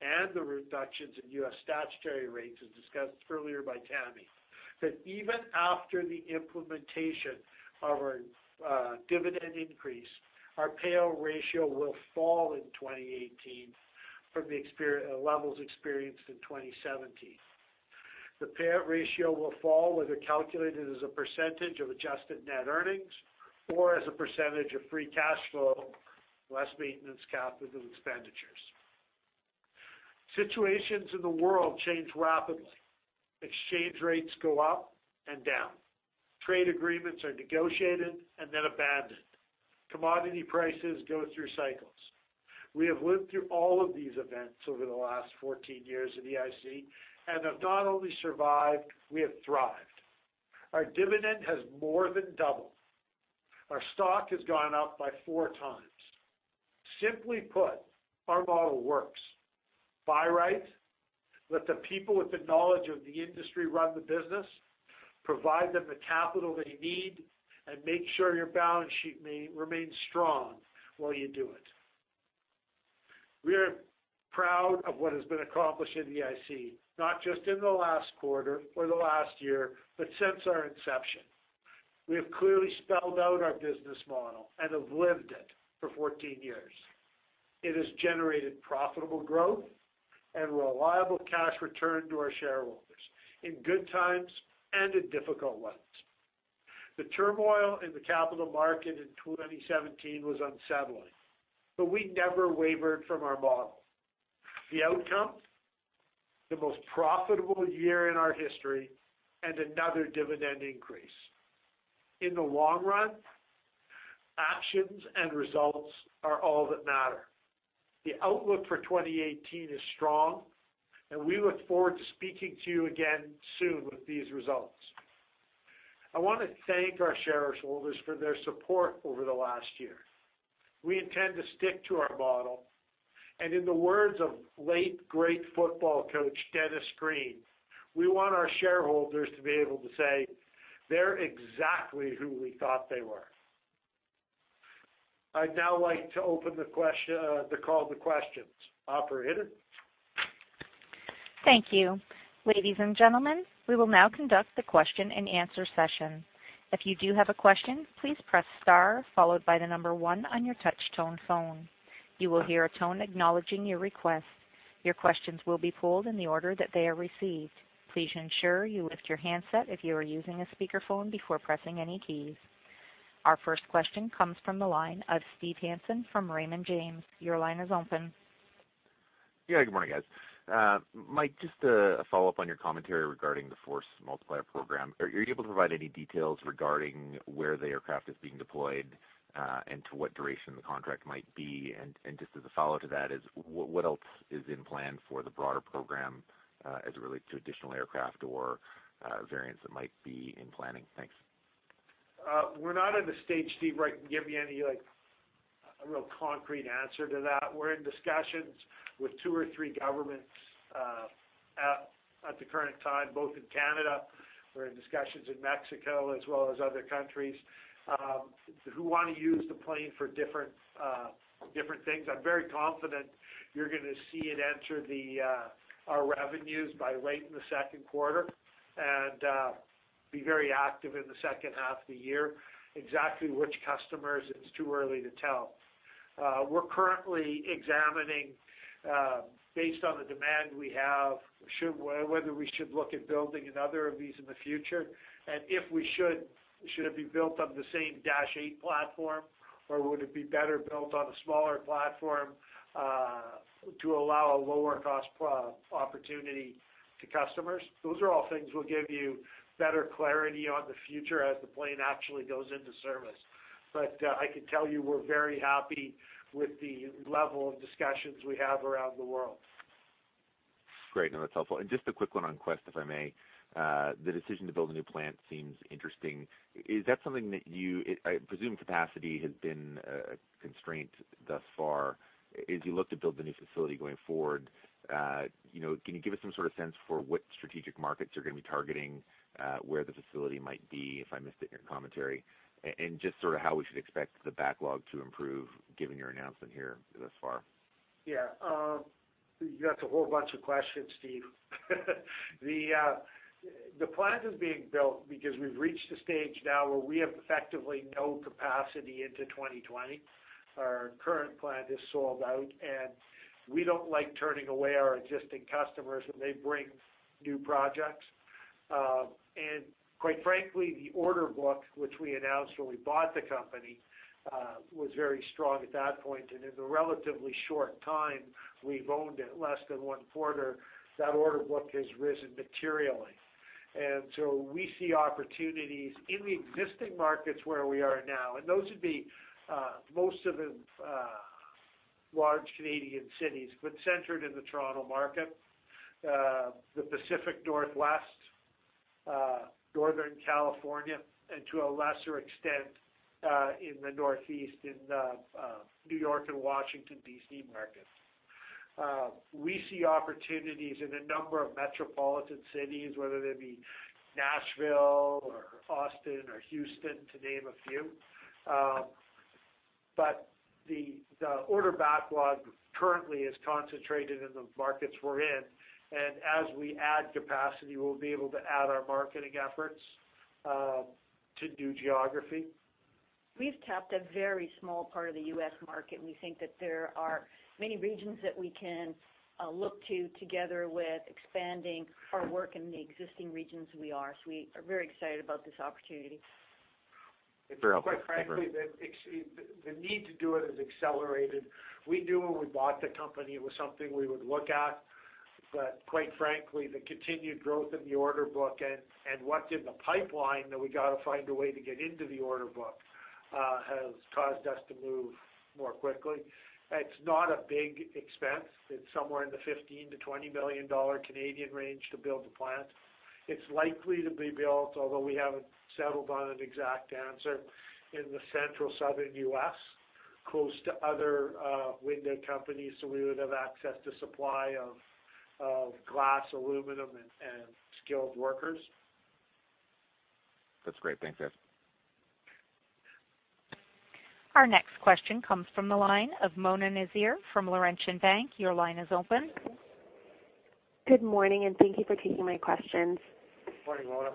Speaker 2: and the reductions in U.S. statutory rates, as discussed earlier by Tammy. Even after the implementation of our dividend increase, our payout ratio will fall in 2018 from the levels experienced in 2017. The payout ratio will fall whether calculated as a percentage of adjusted net earnings or as a percentage of free cash flow, less maintenance capital expenditures. Situations in the world change rapidly. Exchange rates go up and down. Trade agreements are negotiated and then abandoned. Commodity prices go through cycles. We have lived through all of these events over the last 14 years at EIC and have not only survived, we have thrived. Our dividend has more than doubled. Our stock has gone up by four times. Simply put, our model works. Buy right, let the people with the knowledge of the industry run the business, provide them the capital they need, and make sure your balance sheet remains strong while you do it. We are proud of what has been accomplished at EIC, not just in the last quarter or the last year, but since our inception. We have clearly spelled out our business model and have lived it for 14 years. It has generated profitable growth and reliable cash return to our shareholders in good times and in difficult ones. The turmoil in the capital market in 2017 was unsettling. We never wavered from our model. The outcome? The most profitable year in our history and another dividend increase. In the long run, actions and results are all that matter. The outlook for 2018 is strong. We look forward to speaking to you again soon with these results. I want to thank our shareholders for their support over the last year. We intend to stick to our model. In the words of late great football coach Dennis Green, we want our shareholders to be able to say they're exactly who we thought they were. I'd now like to open the call to questions. Operator?
Speaker 1: Thank you. Ladies and gentlemen, we will now conduct the question and answer session. If you do have a question, please press star followed by the number 1 on your touch-tone phone. You will hear a tone acknowledging your request. Your questions will be pulled in the order that they are received. Please ensure you lift your handset if you are using a speakerphone before pressing any keys. Our first question comes from the line of Steve Hansen from Raymond James. Your line is open.
Speaker 4: Good morning, guys. Mike, just a follow-up on your commentary regarding the Force Multiplier program. Are you able to provide any details regarding where the aircraft is being deployed and to what duration the contract might be? Just as a follow to that is, what else is in plan for the broader program as it relates to additional aircraft or variants that might be in planning? Thanks.
Speaker 2: We're not at the stage, Steve, where I can give you a real concrete answer to that. We're in discussions with two or three governments at the current time, both in Canada, we're in discussions in Mexico as well as other countries who want to use the plane for different things. I'm very confident you're going to see it enter our revenues by late in the second quarter. Be very active in the second half of the year. Exactly which customers, it's too early to tell. We're currently examining, based on the demand we have, whether we should look at building another of these in the future. If we should it be built on the same Dash 8 platform, or would it be better built on a smaller platform to allow a lower cost opportunity to customers? Those are all things we'll give you better clarity on the future as the plane actually goes into service. I can tell you we're very happy with the level of discussions we have around the world.
Speaker 4: Great. No, that's helpful. Just a quick one on Quest, if I may. The decision to build a new plant seems interesting. I presume capacity has been a constraint thus far. As you look to build the new facility going forward, can you give us some sort of sense for what strategic markets you're going to be targeting, where the facility might be, if I missed it in your commentary, and just how we should expect the backlog to improve given your announcement here thus far?
Speaker 2: Yeah. You asked a whole bunch of questions, Steve. The plant is being built because we've reached the stage now where we have effectively no capacity into 2020. Our current plant is sold out, we don't like turning away our existing customers when they bring new projects. Quite frankly, the order book, which we announced when we bought the company, was very strong at that point. In the relatively short time we've owned it, less than one quarter, that order book has risen materially. So we see opportunities in the existing markets where we are now, and those would be most of the large Canadian cities, but centered in the Toronto market, the Pacific Northwest, Northern California, and to a lesser extent, in the Northeast in the New York and Washington, D.C. markets. We see opportunities in a number of metropolitan cities, whether they be Nashville or Austin or Houston, to name a few. The order backlog currently is concentrated in the markets we're in, and as we add capacity, we'll be able to add our marketing efforts to new geography.
Speaker 5: We've tapped a very small part of the U.S. market, and we think that there are many regions that we can look to together with expanding our work in the existing regions we are. We are very excited about this opportunity.
Speaker 4: Fair enough.
Speaker 2: Quite frankly, the need to do it has accelerated. We knew when we bought the company it was something we would look at, quite frankly, the continued growth in the order book and what's in the pipeline that we got to find a way to get into the order book, has caused us to move more quickly. It's not a big expense. It's somewhere in the 15 million-20 million Canadian dollars range to build the plant. It's likely to be built, although we haven't settled on an exact answer, in the central southern U.S., close to other window companies so we would have access to supply of glass, aluminum, and skilled workers.
Speaker 4: That's great. Thanks, guys.
Speaker 1: Our next question comes from the line of Mona Nazir from Laurentian Bank. Your line is open.
Speaker 6: Good morning. Thank you for taking my questions.
Speaker 2: Good morning, Mona.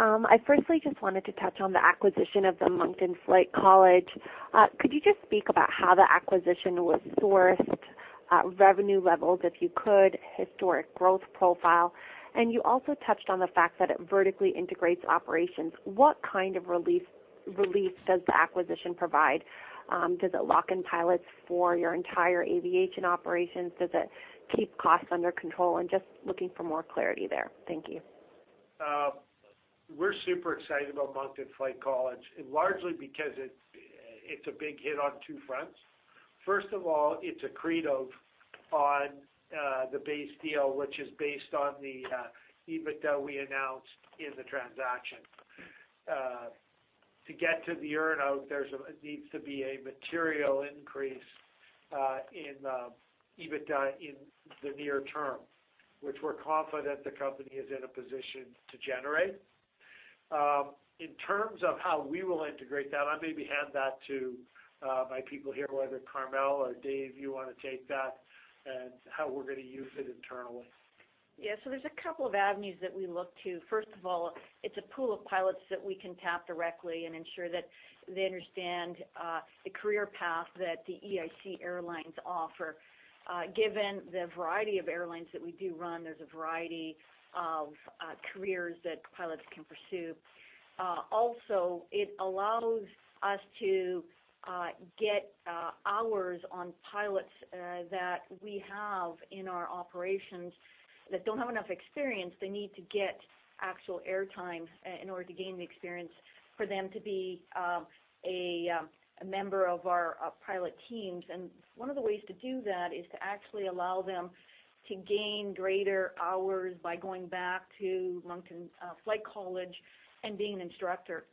Speaker 6: I firstly just wanted to touch on the acquisition of the Moncton Flight College. Could you just speak about how the acquisition was sourced, revenue levels, if you could, historic growth profile? You also touched on the fact that it vertically integrates operations. What kind of relief does the acquisition provide? Does it lock in pilots for your entire aviation operations? Does it keep costs under control? Just looking for more clarity there. Thank you.
Speaker 2: We're super excited about Moncton Flight College, largely because it's a big hit on two fronts. First of all, it's accretive on the base deal, which is based on the EBITDA we announced in the transaction. To get to the earn-out, there needs to be a material increase in EBITDA in the near term, which we're confident the company is in a position to generate. In terms of how we will integrate that, I'll maybe hand that to my people here, whether Carmele or Dave, you want to take that and how we're going to use it internally.
Speaker 5: Yeah. There's a couple of avenues that we look to. First of all, it's a pool of pilots that we can tap directly and ensure that they understand the career path that the EIC airlines offer. Given the variety of airlines that we do run, there's a variety of careers that pilots can pursue. Also, it allows us to get hours on pilots that we have in our operations that don't have enough experience. They need to get actual air time in order to gain the experience for them to be a member of our pilot teams. One of the ways to do that is to actually allow them to gain greater hours by going back to Moncton Flight College and being an instructor.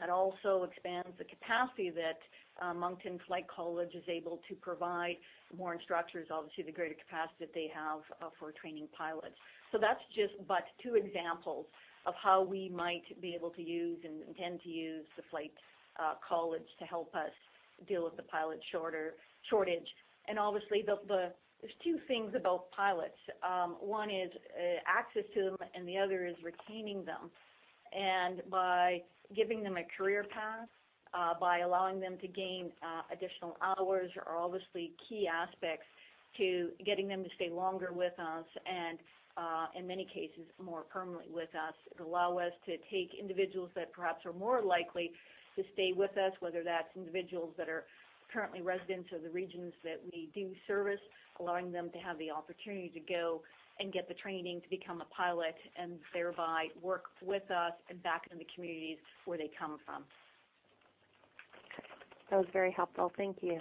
Speaker 5: That also expands the capacity that Moncton Flight College is able to provide. The more instructors, obviously, the greater capacity that they have for training pilots. That's just but two examples of how we might be able to use and intend to use the flight college to help us deal with the pilot shortage. Obviously, there's two things about pilots. One is access to them, and the other is retaining them. By giving them a career path, by allowing them to gain additional hours are obviously key aspects to getting them to stay longer with us and, in many cases, more permanently with us. It allow us to take individuals that perhaps are more likely to stay with us, whether that's individuals that are currently residents of the regions that we do service, allowing them to have the opportunity to go and get the training to become a pilot and thereby work with us and back in the communities where they come from.
Speaker 6: That was very helpful. Thank you.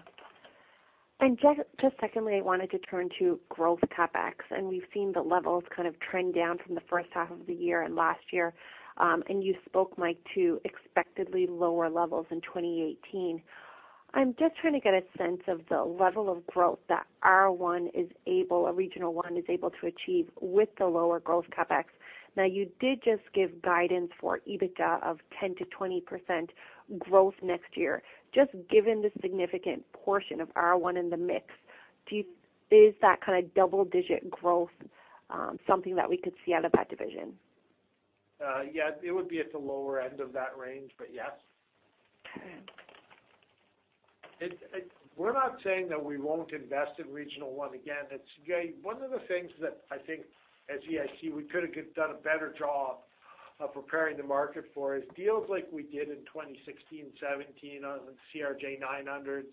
Speaker 6: Just secondly, I wanted to turn to growth CapEx, and we've seen the levels kind of trend down from the first half of the year and last year. You spoke, Mike, to expectedly lower levels in 2018. I'm just trying to get a sense of the level of growth that R1 is able, or Regional One, is able to achieve with the lower growth CapEx. You did just give guidance for EBITDA of 10%-20% growth next year. Just given the significant portion of R1 in the mix, is that kind of double-digit growth something that we could see out of that division?
Speaker 2: Yes, it would be at the lower end of that range, yes. We're not saying that we won't invest in Regional One again. One of the things that I think at EIC we could have done a better job of preparing the market for is deals like we did in 2016 and 2017 on the CRJ900s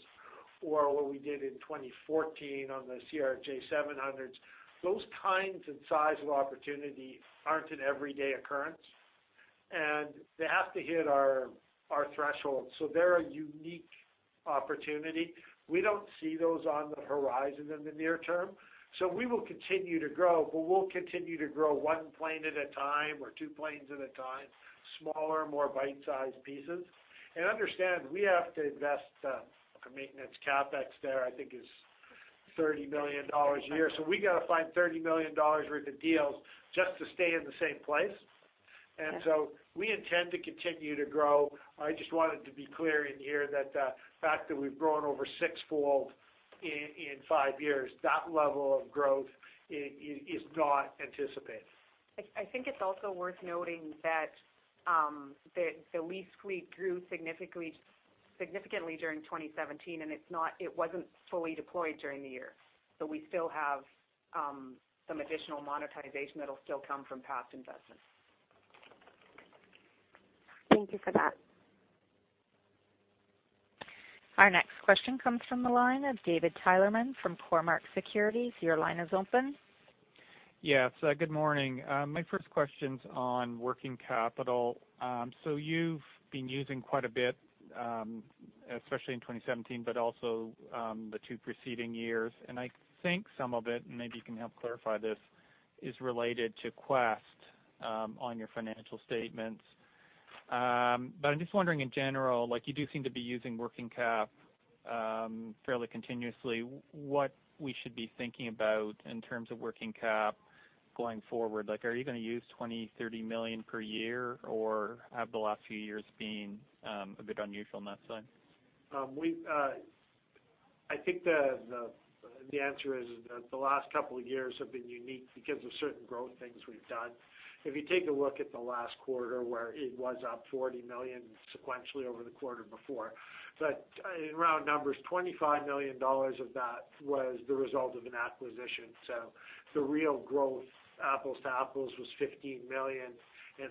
Speaker 2: or what we did in 2014 on the CRJ700s. Those kinds and size of opportunity aren't an everyday occurrence, and they have to hit our threshold. They're a unique opportunity. We don't see those on the horizon in the near term. We will continue to grow, but we'll continue to grow one plane at a time or two planes at a time, smaller, more bite-sized pieces. Understand, we have to invest, our maintenance CapEx there I think is 30 million dollars a year. We got to find 30 million dollars worth of deals just to stay in the same place.
Speaker 6: Yeah.
Speaker 2: We intend to continue to grow. I just wanted to be clear in here that the fact that we've grown over sixfold in five years, that level of growth is not anticipated.
Speaker 5: I think it's also worth noting that the lease fleet grew significantly during 2017, and it wasn't fully deployed during the year. We still have some additional monetization that'll still come from past investments.
Speaker 6: Thank you for that.
Speaker 1: Our next question comes from the line of David Tyerman from Cormark Securities. Your line is open.
Speaker 7: Yes, good morning. My first question's on working capital. You've been using quite a bit, especially in 2017, but also the two preceding years, I think some of it, and maybe you can help clarify this, is related to Quest on your financial statements. I'm just wondering in general, like you do seem to be using working cap fairly continuously, what we should be thinking about in terms of working cap going forward. Are you going to use 20 million, 30 million per year, or have the last few years been a bit unusual on that side?
Speaker 2: I think the answer is that the last couple of years have been unique because of certain growth things we've done. If you take a look at the last quarter where it was up 40 million sequentially over the quarter before, in round numbers, 25 million dollars of that was the result of an acquisition. The real growth, apples to apples, was 15 million.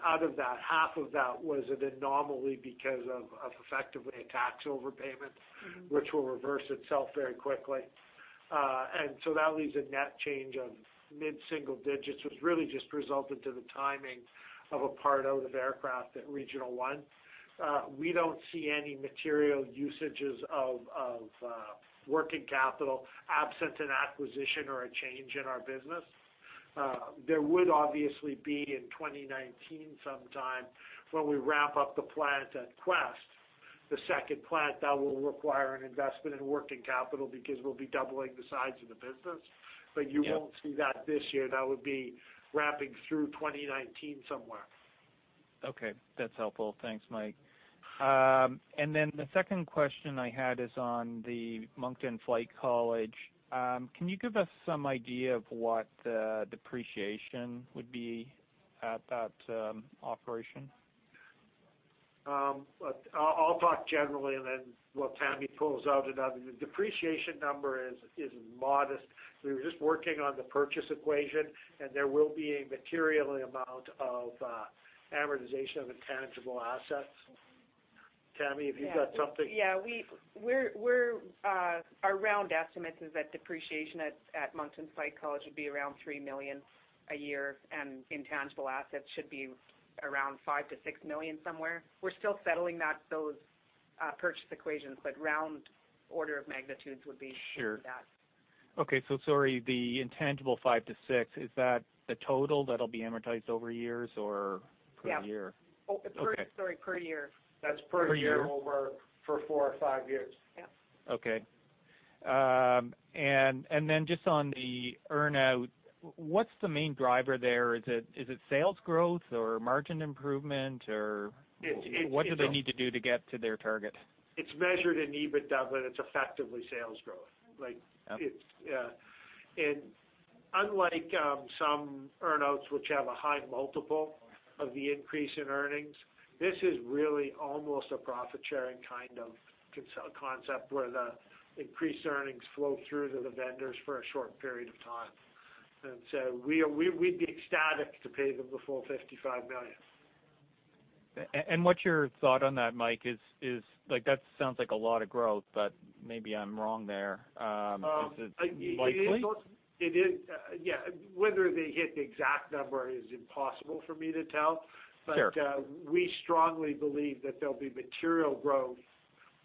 Speaker 2: Out of that, half of that was an anomaly because of effectively a tax overpayment- which will reverse itself very quickly. That leaves a net change of mid-single digits, which really just resulted to the timing of a part out of aircraft at Regional One. We don't see any material usages of working capital absent an acquisition or a change in our business. There would obviously be in 2019 sometime when we wrap up the plant at Quest, the second plant, that will require an investment in working capital because we'll be doubling the size of the business.
Speaker 7: Yeah.
Speaker 2: You won't see that this year. That would be wrapping through 2019 somewhere.
Speaker 7: Okay. That's helpful. Thanks, Mike. The second question I had is on the Moncton Flight College. Can you give us some idea of what the depreciation would be at that operation?
Speaker 2: I'll talk generally and then we'll have Tammy pulls out another. The depreciation number is modest. We were just working on the purchase equation, and there will be a material amount of amortization of intangible assets. Tammy, have you got something?
Speaker 5: Yeah. Our round estimate is that depreciation at Moncton Flight College would be around 3 million a year, and intangible assets should be around 5 million to 6 million somewhere. We're still settling those purchase equations, but round order of magnitudes would be that.
Speaker 7: Sure. Okay, so sorry, the intangible 5 to 6, is that the total that'll be amortized over years or per year?
Speaker 5: Yeah. Okay. Sorry, per year.
Speaker 2: That's per year.
Speaker 7: Per year.
Speaker 2: over for four or five years.
Speaker 5: Yeah.
Speaker 7: Okay. Then just on the earn-out, what's the main driver there? Is it sales growth or margin improvement or what do they need to do to get to their target?
Speaker 2: It's measured in EBITDA, it's effectively sales growth.
Speaker 7: Okay.
Speaker 2: Yeah. Unlike some earn-outs which have a high multiple of the increase in earnings, this is really almost a profit-sharing kind of concept where the increased earnings flow through to the vendors for a short period of time. We'd be ecstatic to pay them the full 55 million.
Speaker 7: What's your thought on that, Mike? That sounds like a lot of growth, but maybe I'm wrong there. Is it likely?
Speaker 2: Yeah. Whether they hit the exact number is impossible for me to tell.
Speaker 7: Sure.
Speaker 2: We strongly believe that there'll be material growth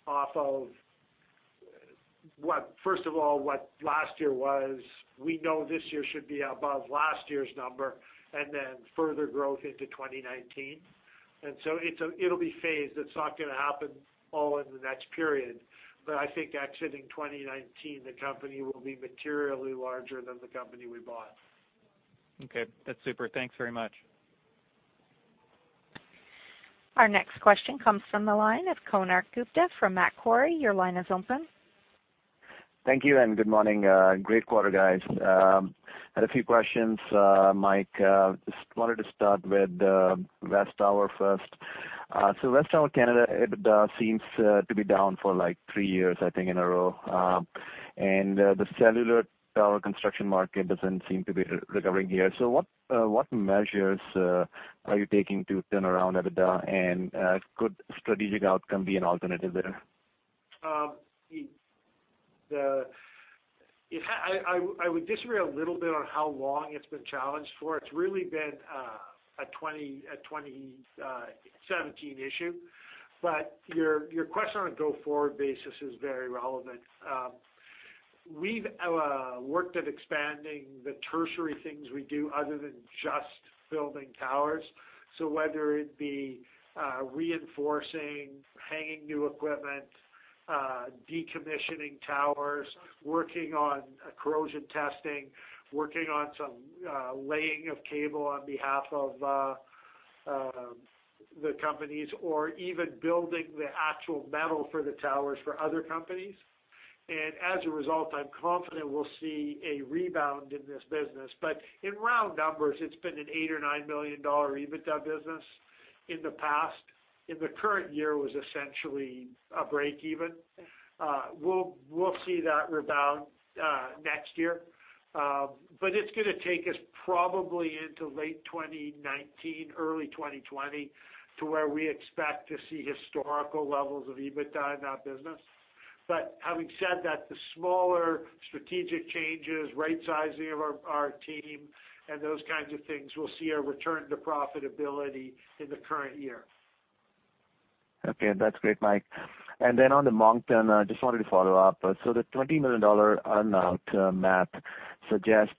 Speaker 2: off of, first of all, what last year was. We know this year should be above last year's number, then further growth into 2019. It'll be phased. It's not going to happen all in the next period. I think exiting 2019, the company will be materially larger than the company we bought.
Speaker 7: Okay. That's super. Thanks very much.
Speaker 1: Our next question comes from the line of Konark Gupta from Macquarie. Your line is open.
Speaker 8: Thank you, and good morning. Great quarter, guys. Had a few questions, Mike. Wanted to start with WesTower Communications first. WesTower Communications Canada EBITDA seems to be down for three years, I think, in a row. The cellular tower construction market doesn't seem to be recovering here. What measures are you taking to turn around EBITDA, and could strategic outcome be an alternative there?
Speaker 2: I would disagree a little bit on how long it's been challenged for. It's really been a 2017 issue. Your question on a go-forward basis is very relevant. We've worked at expanding the tertiary things we do other than just building towers. Whether it be reinforcing, hanging new equipment, decommissioning towers, working on corrosion testing, working on some laying of cable on behalf of the companies, or even building the actual metal for the towers for other companies. As a result, I'm confident we'll see a rebound in this business. In round numbers, it's been a 8 million or 9 million dollar EBITDA business in the past, and the current year was essentially a break even. We'll see that rebound next year. It's going to take us probably into late 2019, early 2020, to where we expect to see historical levels of EBITDA in that business. Having said that, the smaller strategic changes, rightsizing of our team, and those kinds of things will see a return to profitability in the current year.
Speaker 8: Okay. That's great, Mike. On the Moncton, wanted to follow up. The 20 million dollar earn-out map suggests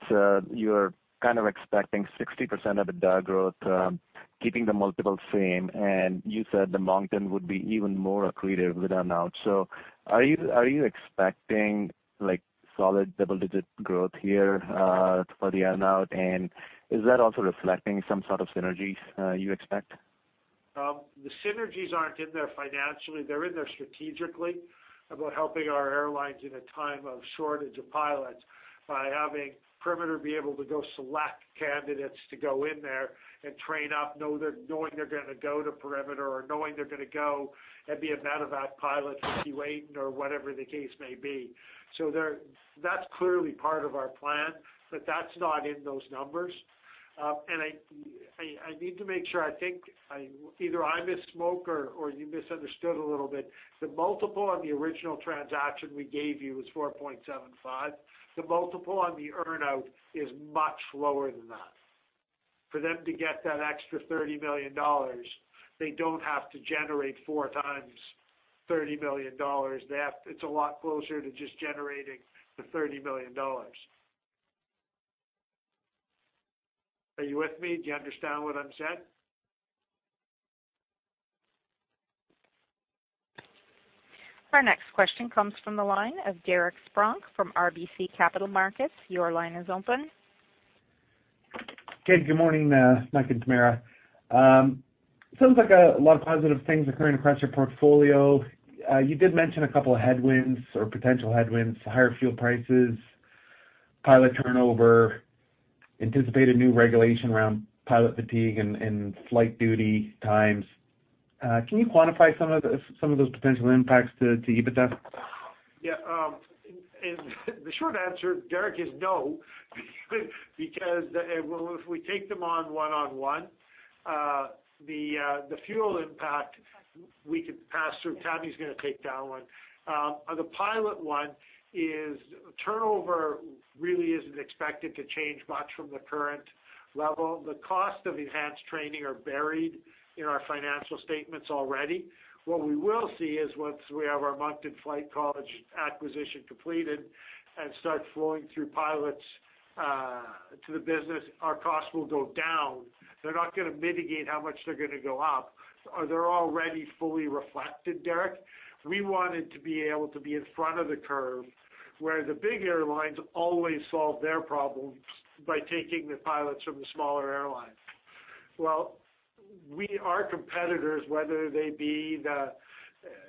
Speaker 8: you're kind of expecting 60% EBITDA growth, keeping the multiple same, and you said that Moncton would be even more accretive with earn-out. Are you expecting solid double-digit growth here for the earn-out, and is that also reflecting some sort of synergies you expect?
Speaker 2: The synergies aren't in there financially. They're in there strategically about helping our airlines in a time of shortage of pilots by having Perimeter be able to go select candidates to go in there and train up, knowing they're going to go to Perimeter or knowing they're going to go and be a medevac pilot with Keewatin Air or whatever the case may be. That's clearly part of our plan, but that's not in those numbers. I need to make sure, I think either I misspoke or you misunderstood a little bit. The multiple on the original transaction we gave you was 4.75. The multiple on the earn-out is much lower than that. For them to get that extra 30 million dollars, they don't have to generate four times 30 million dollars. It's a lot closer to just generating the 30 million dollars. Are you with me? Do you understand what I'm saying?
Speaker 1: Our next question comes from the line of Derek Spronck from RBC Capital Markets. Your line is open.
Speaker 9: Good morning, Mike and Tamara. Sounds like a lot of positive things occurring across your portfolio. You did mention a couple of headwinds or potential headwinds, higher fuel prices, pilot turnover, anticipated new regulation around pilot fatigue and flight duty times. Can you quantify some of those potential impacts to EBITDA?
Speaker 2: The short answer, Derek, is no, because if we take them on one-on-one, the fuel impact we could pass through. Tammy's going to take that one. On the pilot one is turnover really isn't expected to change much from the current level. The cost of enhanced training are buried in our financial statements already. What we will see is once we have our Moncton Flight College acquisition completed and start flowing through pilots to the business, our costs will go down. They're not going to mitigate how much they're going to go up. They're already fully reflected, Derek. We wanted to be able to be in front of the curve, where the big airlines always solve their problems by taking the pilots from the smaller airlines. Well, our competitors, whether they be the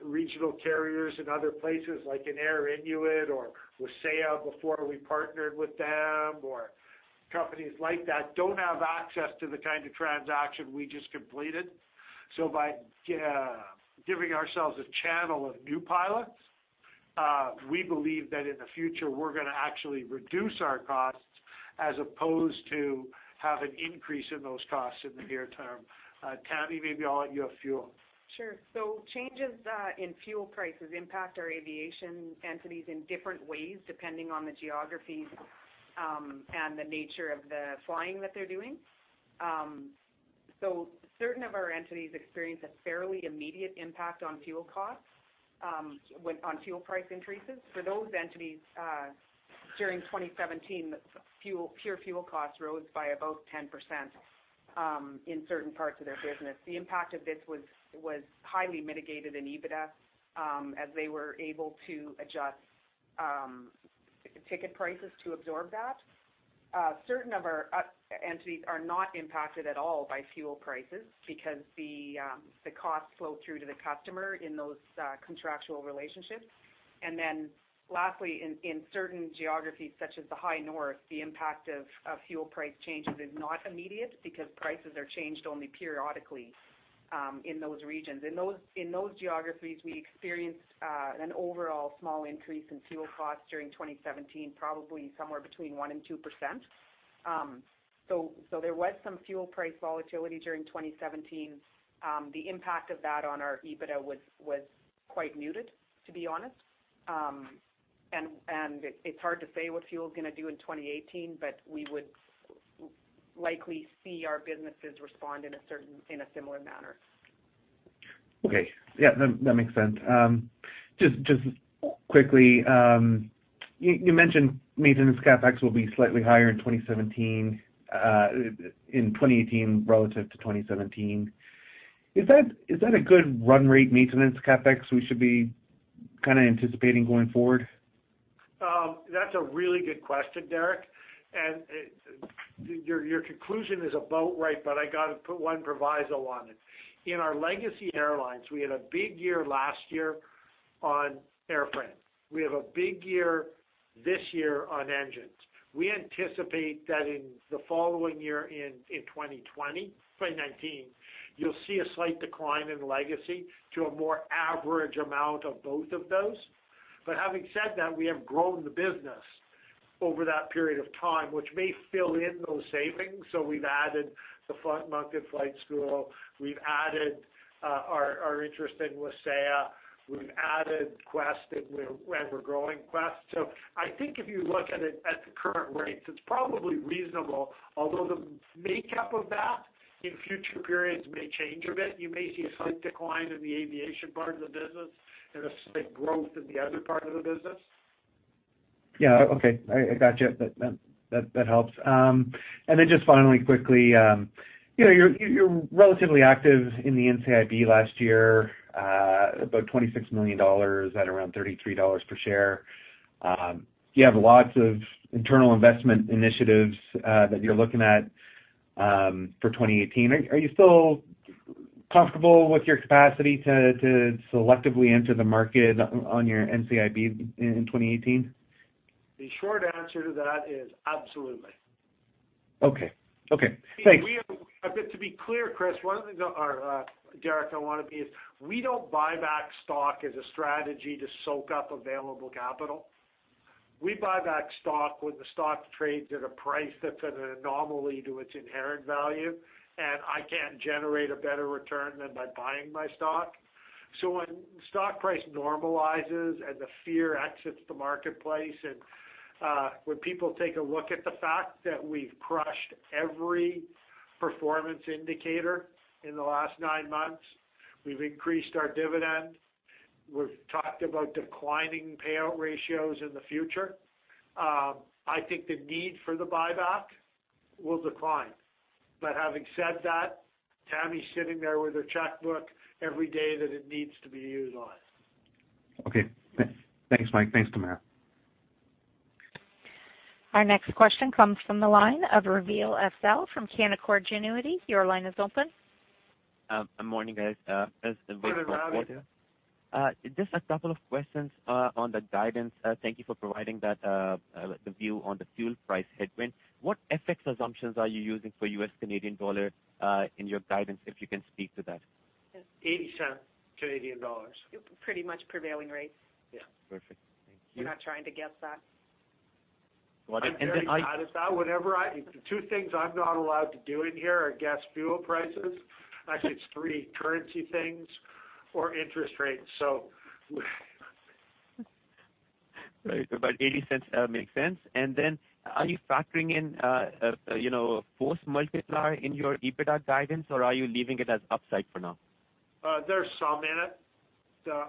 Speaker 2: regional carriers in other places like an Air Inuit or Wasaya before we partnered with them, or companies like that, don't have access to the kind of transaction we just completed. By giving ourselves a channel of new pilots, we believe that in the future, we're going to actually reduce our costs as opposed to have an increase in those costs in the near term. Tammy, maybe I'll let you have fuel.
Speaker 3: Sure. Changes in fuel prices impact our aviation entities in different ways, depending on the geographies and the nature of the flying that they're doing. Certain of our entities experience a fairly immediate impact on fuel costs, on fuel price increases. For those entities, during 2017, pure fuel costs rose by about 10% in certain parts of their business. The impact of this was highly mitigated in EBITDA as they were able to adjust ticket prices to absorb that. Certain of our entities are not impacted at all by fuel prices because the costs flow through to the customer in those contractual relationships. Then lastly, in certain geographies such as the High North, the impact of fuel price changes is not immediate because prices are changed only periodically in those regions. In those geographies, we experienced an overall small increase in fuel costs during 2017, probably somewhere between 1% and 2%. There was some fuel price volatility during 2017. The impact of that on our EBITDA was quite muted, to be honest. It's hard to say what fuel's going to do in 2018, but we would likely see our businesses respond in a similar manner.
Speaker 9: Okay. Yeah, that makes sense. Just quickly, you mentioned maintenance CapEx will be slightly higher in 2018 relative to 2017. Is that a good run rate maintenance CapEx we should be anticipating going forward?
Speaker 2: That's a really good question, Derek. Your conclusion is about right, I got to put one proviso on it. In our Legacy Airlines, we had a big year last year on airframes. We have a big year this year on engines. We anticipate that in the following year, in 2020, 2019, you'll see a slight decline in Legacy to a more average amount of both of those. Having said that, we have grown the business over that period of time, which may fill in those savings. We've added the Moncton Flight College, we've added our interest in Wasaya, we've added Quest and we're growing Quest. I think if you look at it at the current rates, it's probably reasonable, although the makeup of that in future periods may change a bit. You may see a slight decline in the aviation part of the business and a slight growth in the other part of the business.
Speaker 9: Yeah. Okay. I gotcha. Just finally quickly, you're relatively active in the NCIB last year, about 26 million dollars at around 33 dollars per share. You have lots of internal investment initiatives that you're looking at for 2018. Are you still comfortable with your capacity to selectively enter the market on your NCIB in 2018?
Speaker 2: The short answer to that is absolutely.
Speaker 9: Okay. Thanks.
Speaker 2: To be clear, Derek, we don't buy back stock as a strategy to soak up available capital. We buy back stock when the stock trades at a price that's at an anomaly to its inherent value, and I can't generate a better return than by buying my stock. When stock price normalizes and the fear exits the marketplace, and when people take a look at the fact that we've crushed every performance indicator in the last nine months. We've increased our dividend. We've talked about declining payout ratios in the future. I think the need for the buyback will decline. Having said that, Tammy's sitting there with a checkbook every day that it needs to be used on.
Speaker 9: Okay. Thanks, Mike. Thanks, Tamara.
Speaker 1: Our next question comes from the line of Raveel Afzaal from Canaccord Genuity. Your line is open.
Speaker 10: Morning, guys.
Speaker 2: Morning, Raveel.
Speaker 10: Just a couple of questions on the guidance. Thank you for providing that, the view on the fuel price headwind. What FX assumptions are you using for U.S. Canadian dollar in your guidance, if you can speak to that?
Speaker 2: 0.80 dollars.
Speaker 3: Pretty much prevailing rates.
Speaker 2: Yeah.
Speaker 10: Perfect. Thank you.
Speaker 3: We're not trying to guess that.
Speaker 2: I'm very proud of that. The two things I'm not allowed to do in here are guess fuel prices. Actually, it's three currency things or interest rates.
Speaker 10: Right. 0.80 makes sense. Then are you factoring in Force Multiplier in your EBITDA guidance or are you leaving it as upside for now?
Speaker 2: There's some in it.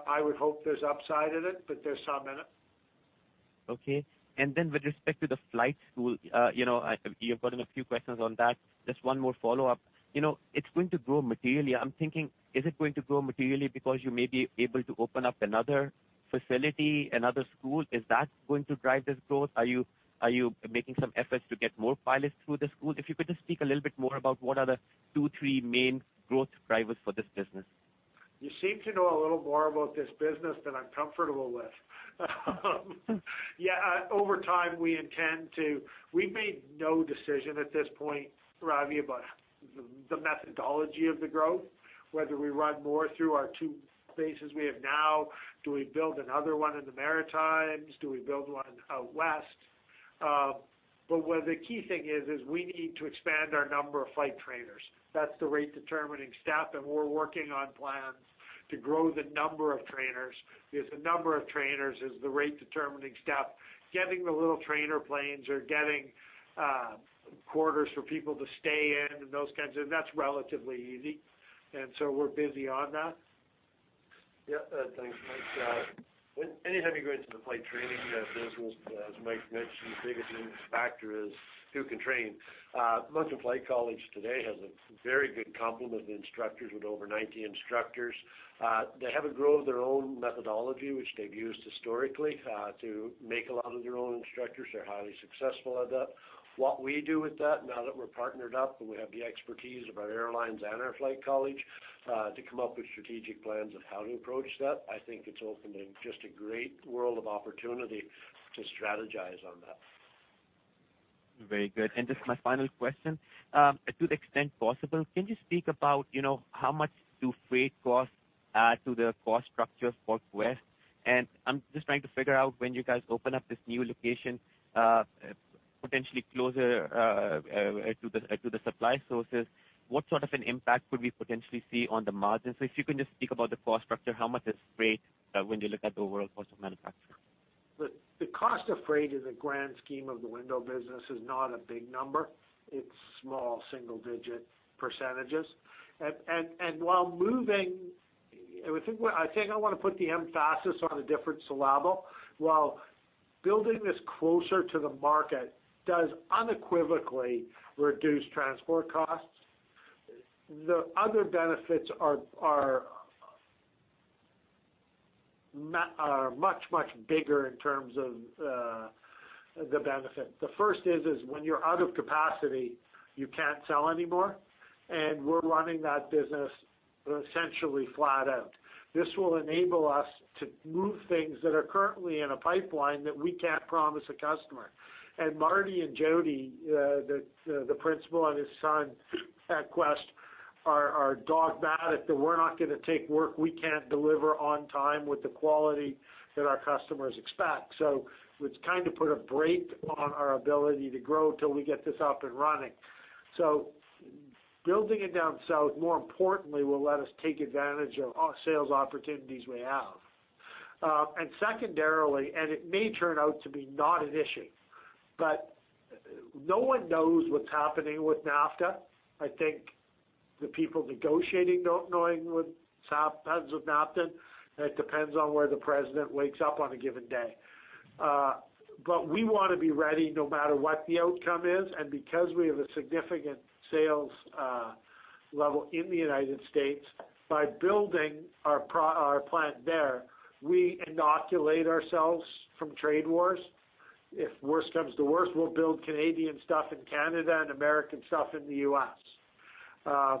Speaker 2: I would hope there's upside in it, there's some in it.
Speaker 10: Okay. Then with respect to the flight school, you've gotten a few questions on that. Just one more follow-up. It's going to grow materially. I'm thinking, is it going to grow materially because you may be able to open up another facility, another school? Is that going to drive this growth? Are you making some efforts to get more pilots through the school? If you could just speak a little bit more about what are the two, three main growth drivers for this business?
Speaker 2: You seem to know a little more about this business than I'm comfortable with. Over time, we've made no decision at this point, Ravi, about the methodology of the growth, whether we run more through our two bases we have now, do we build another one in the Maritimes? Do we build one out West? Where the key thing is we need to expand our number of flight trainers. That's the rate-determining step. We're working on plans to grow the number of trainers, because the number of trainers is the rate-determining step. Getting the little trainer planes or getting quarters for people to stay in and those kinds of things, that's relatively easy. We're busy on that.
Speaker 11: Yeah. Thanks, Mike. Anytime you go into the flight training business, as Mike mentioned, the biggest factor is who can train. Moncton Flight College today has a very good complement of instructors with over 90 instructors. They have a grove of their own methodology, which they've used historically to make a lot of their own instructors. They're highly successful at that. What we do with that, now that we're partnered up, we have the expertise of our airlines and our flight college to come up with strategic plans of how to approach that, I think it's opening just a great world of opportunity to strategize on that.
Speaker 10: Very good. Just my final question, to the extent possible, can you speak about how much do freight costs add to the cost structure for Quest? I'm just trying to figure out when you guys open up this new location, potentially closer to the supply sources, what sort of an impact would we potentially see on the margins? If you can just speak about the cost structure, how much is freight when you look at the overall cost of manufacturing?
Speaker 2: The cost of freight in the grand scheme of the window business is not a big number. It's small single-digit %. I think I want to put the emphasis on a different syllable. While building this closer to the market does unequivocally reduce transport costs, the other benefits are much, much bigger in terms of the benefit. The first is when you're out of capacity, you can't sell anymore. We're running that business essentially flat out. This will enable us to move things that are currently in a pipeline that we can't promise a customer. Marty and Jody, the principal and his son at Quest, are dogmatic that we're not going to take work we can't deliver on time with the quality that our customers expect. It's kind of put a brake on our ability to grow till we get this up and running. Building it down south, more importantly, will let us take advantage of sales opportunities we have. Secondarily, and it may turn out to be not an issue, but no one knows what's happening with NAFTA. I think the people negotiating don't know what happens with NAFTA, and it depends on where the president wakes up on a given day. We want to be ready no matter what the outcome is, and because we have a significant sales level in the U.S., by building our plant there, we inoculate ourselves from trade wars. If worse comes to worst, we'll build Canadian stuff in Canada and American stuff in the U.S. I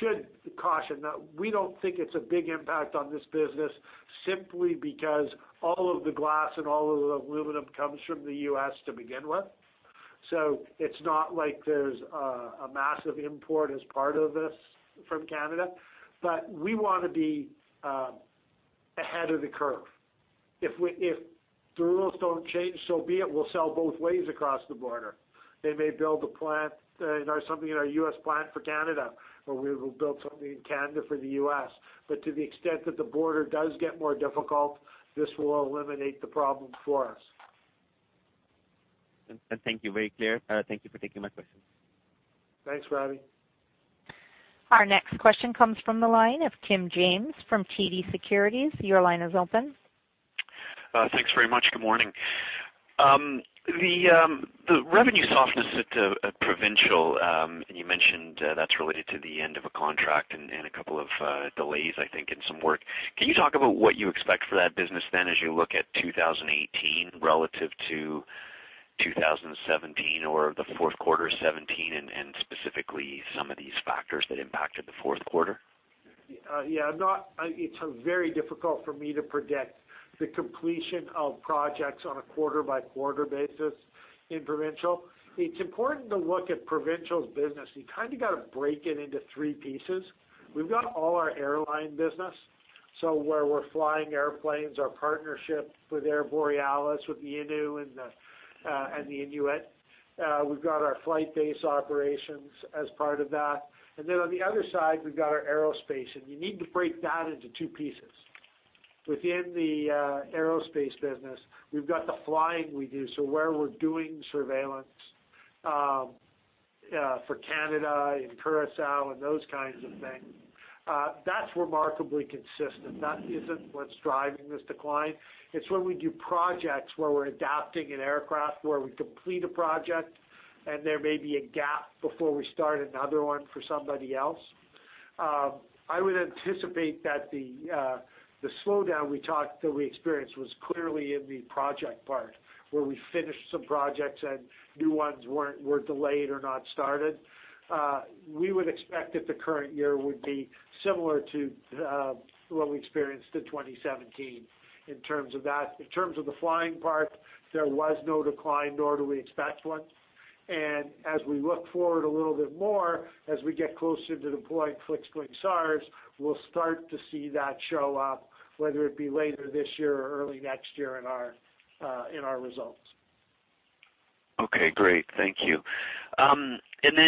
Speaker 2: should caution that we don't think it's a big impact on this business simply because all of the glass and all of the aluminum comes from the U.S. to begin with. It's not like there's a massive import as part of this from Canada, but we want to be ahead of the curve. If the rules don't change, so be it. We'll sell both ways across the border. They may build a plant or something in our U.S. plant for Canada, or we will build something in Canada for the U.S. To the extent that the border does get more difficult, this will eliminate the problem for us.
Speaker 10: Thank you. Very clear. Thank you for taking my questions.
Speaker 2: Thanks, Ravi.
Speaker 1: Our next question comes from the line of Tim James from TD Securities. Your line is open.
Speaker 12: Thanks very much. Good morning. The revenue softness at Provincial, you mentioned that's related to the end of a contract a couple of delays, I think, and some work. Can you talk about what you expect for that business then, as you look at 2018 relative to 2017 or the fourth quarter of 2017, specifically some of these factors that impacted the fourth quarter?
Speaker 2: Yeah. It's very difficult for me to predict the completion of projects on a quarter-by-quarter basis in Provincial. It's important to look at Provincial's business. You kind of got to break it into three pieces. We've got all our airline business, so where we're flying airplanes, our partnership with Air Borealis, with the Innu and the Inuit. We've got our flight base operations as part of that. Then on the other side, we've got our aerospace, you need to break that into two pieces. Within the aerospace business, we've got the flying we do, so where we're doing surveillance for Canada and Curaçao and those kinds of things. That's remarkably consistent. That isn't what's driving this decline. It's when we do projects where we're adapting an aircraft where we complete a project, there may be a gap before we start another one for somebody else. I would anticipate that the slowdown we experienced was clearly in the project part, where we finished some projects new ones were delayed or not started. We would expect that the current year would be similar to what we experienced in 2017 in terms of that. In terms of the flying part, there was no decline, nor do we expect one. As we look forward a little bit more, as we get closer to deploying Fixed Wing SAR, we'll start to see that show up, whether it be later this year or early next year in our results.
Speaker 12: Okay, great. Thank you.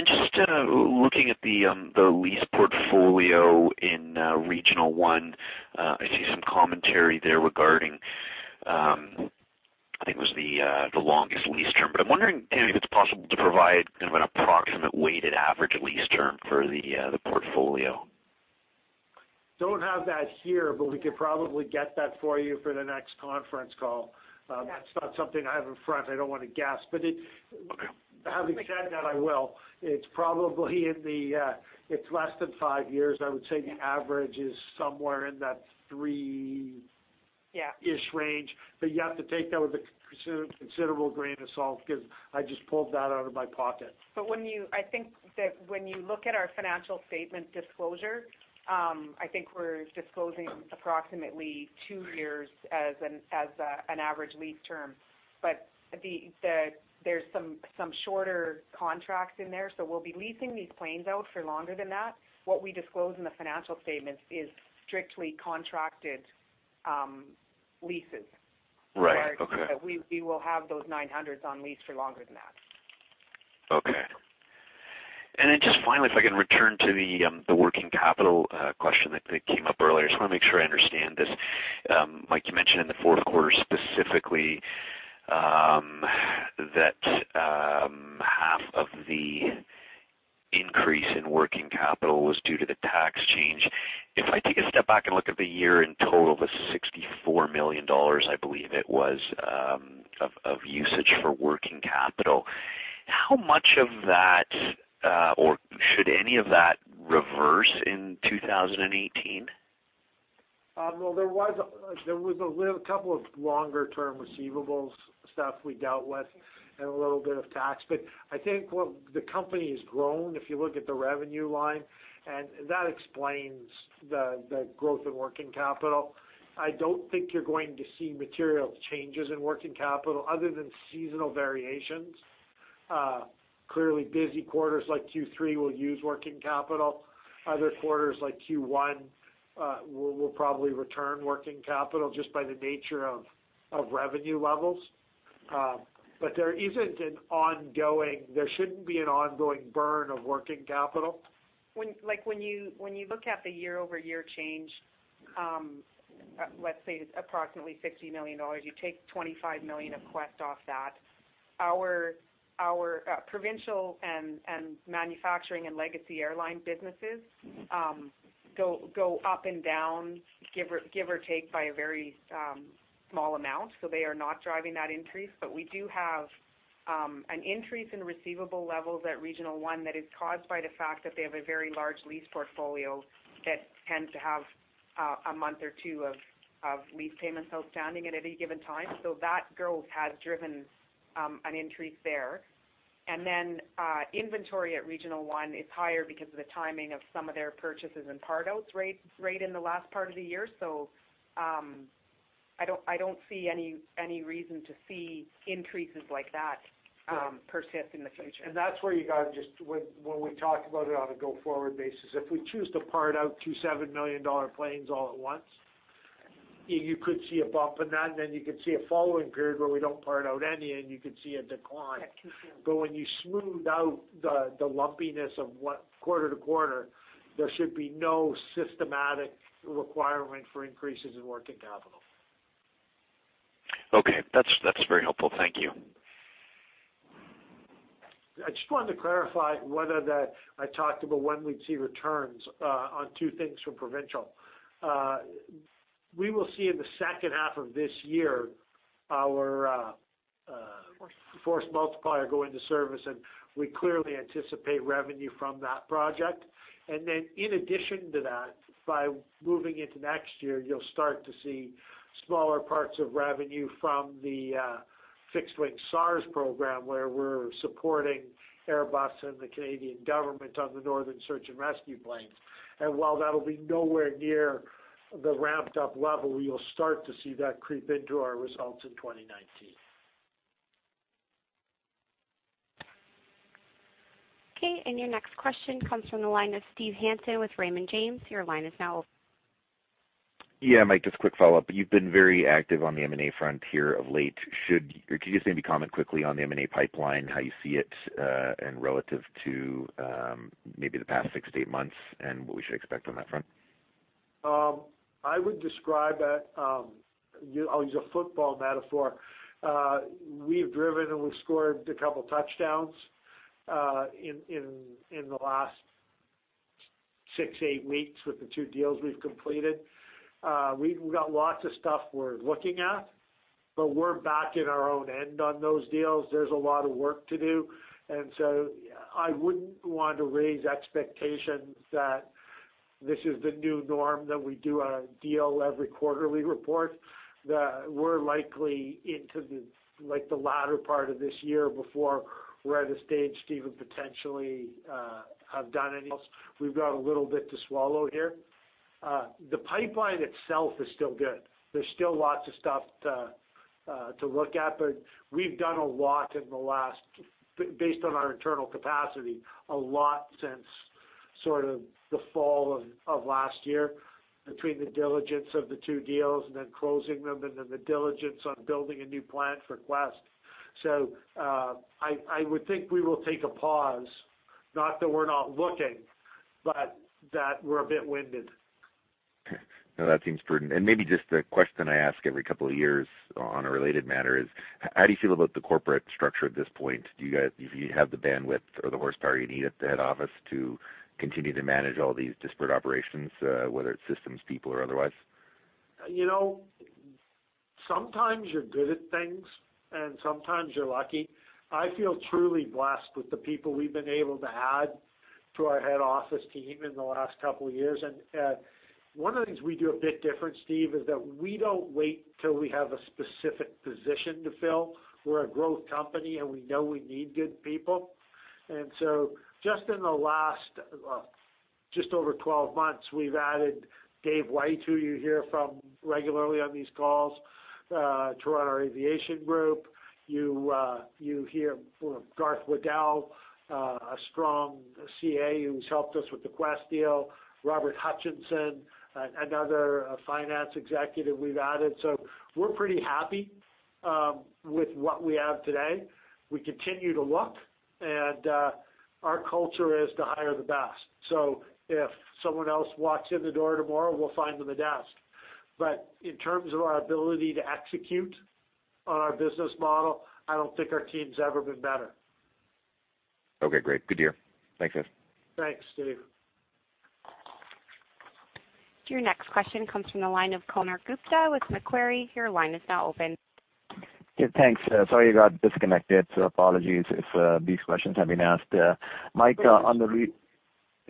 Speaker 12: Just looking at the lease portfolio in Regional One, I see some commentary there regarding, I think it was the longest lease term. I'm wondering if it's possible to provide an approximate weighted average lease term for the portfolio.
Speaker 2: Don't have that here, we could probably get that for you for the next conference call. That's not something I have in front. I don't want to guess. Having said that, I will. It's probably less than five years. I would say the average is somewhere in that three-
Speaker 3: Yeah
Speaker 2: ish range. You have to take that with a considerable grain of salt because I just pulled that out of my pocket.
Speaker 3: I think that when you look at our financial statement disclosure, I think we're disclosing approximately two years as an average lease term. There's some shorter contracts in there, we'll be leasing these planes out for longer than that. What we disclose in the financial statements is strictly contracted leases.
Speaker 12: Right. Okay.
Speaker 3: We will have those 900s on lease for longer than that.
Speaker 12: Okay. Then just finally, if I can return to the working capital question that came up earlier. Just want to make sure I understand this. Mike, you mentioned in the fourth quarter specifically that half of the increase in working capital was due to the tax change. If I take a step back and look at the year in total, the 64 million dollars, I believe it was, of usage for working capital, how much of that, or should any of that reverse in 2018?
Speaker 2: Well, there was a couple of longer term receivables stuff we dealt with and a little bit of tax. I think the company has grown, if you look at the revenue line, and that explains the growth in working capital. I don't think you're going to see material changes in working capital other than seasonal variations. Clearly busy quarters like Q3 will use working capital. Other quarters like Q1 will probably return working capital just by the nature of revenue levels. There shouldn't be an ongoing burn of working capital.
Speaker 3: When you look at the year-over-year change, let's say approximately 60 million dollars, you take 25 million of Quest off that. Our Provincial and manufacturing and Legacy Airlines businesses go up and down, give or take by a very small amount. They are not driving that increase. We do have an increase in receivable levels at Regional One that is caused by the fact that they have a very large lease portfolio that tends to have a month or two of lease payments outstanding at any given time. That growth has driven an increase there. Inventory at Regional One is higher because of the timing of some of their purchases and part outs right in the last part of the year. I don't see any reason to see increases like that persist in the future.
Speaker 2: That's where when we talk about it on a go-forward basis, if we choose to part out two 7 million dollar planes all at once, you could see a bump in that, and then you could see a following period where we don't part out any and you could see a decline.
Speaker 3: Yeah.
Speaker 2: When you smooth out the lumpiness of quarter-to-quarter, there should be no systematic requirement for increases in working capital.
Speaker 12: Okay. That's very helpful. Thank you.
Speaker 2: I just wanted to clarify whether that I talked about when we'd see returns on two things from Provincial. We will see in the second half of this year our Force Multiplier go into service, we clearly anticipate revenue from that project. In addition to that, by moving into next year, you'll start to see smaller parts of revenue from the Fixed Wing SAR program, where we're supporting Airbus and the Canadian government on the Northern Search and Rescue plane. While that'll be nowhere near the ramped up level, you'll start to see that creep into our results in 2019.
Speaker 1: Okay, your next question comes from the line of Steve Hansen with Raymond James. Your line is now open.
Speaker 4: Yeah, Mike, just a quick follow-up. You've been very active on the M&A frontier of late. Can you just maybe comment quickly on the M&A pipeline, how you see it, relative to maybe the past six to eight months and what we should expect on that front?
Speaker 2: I would describe it, I'll use a football metaphor. We've driven, we've scored a couple touchdowns in the last six, eight weeks with the two deals we've completed. We've got lots of stuff we're looking at. We're back in our own end on those deals. There's a lot of work to do, I wouldn't want to raise expectations that this is the new norm, that we do our deal every quarterly report. That we're likely into the latter part of this year before we're at a stage, Steve, potentially have done anything else. We've got a little bit to swallow here. The pipeline itself is still good. There's still lots of stuff to look at, but we've done a lot based on our internal capacity, since the fall of last year between the diligence of the two deals, and then closing them, and then the diligence on building a new plant for Quest. I would think we will take a pause, not that we're not looking, but that we're a bit winded.
Speaker 4: Okay. No, that seems prudent, and maybe just a question I ask every couple of years on a related matter is, how do you feel about the corporate structure at this point? Do you have the bandwidth or the horsepower you need at the head office to continue to manage all these disparate operations, whether it's systems, people, or otherwise?
Speaker 2: Sometimes you're good at things, and sometimes you're lucky. I feel truly blessed with the people we've been able to add to our head office team in the last couple of years. One of the things we do a bit different, Steve, is that we don't wait till we have a specific position to fill. We're a growth company, and we know we need good people. Just in the last, just over 12 months, we've added Dave White, who you hear from regularly on these calls, to run our aviation group. You hear from Garth Waddell, a strong CA who's helped us with the Quest deal, Robert Hutchinson, another finance executive we've added. We're pretty happy with what we have today. We continue to look, and our culture is to hire the best. If someone else walks in the door tomorrow, we'll find them a desk. In terms of our ability to execute on our business model, I don't think our team's ever been better.
Speaker 4: Okay, great. Good to hear. Thanks, guys.
Speaker 2: Thanks, Steve.
Speaker 1: Your next question comes from the line of Konark Gupta with Macquarie. Your line is now open.
Speaker 8: Yeah, thanks. Sorry you got disconnected, apologies if these questions have been asked.
Speaker 2: Please.
Speaker 8: Mike,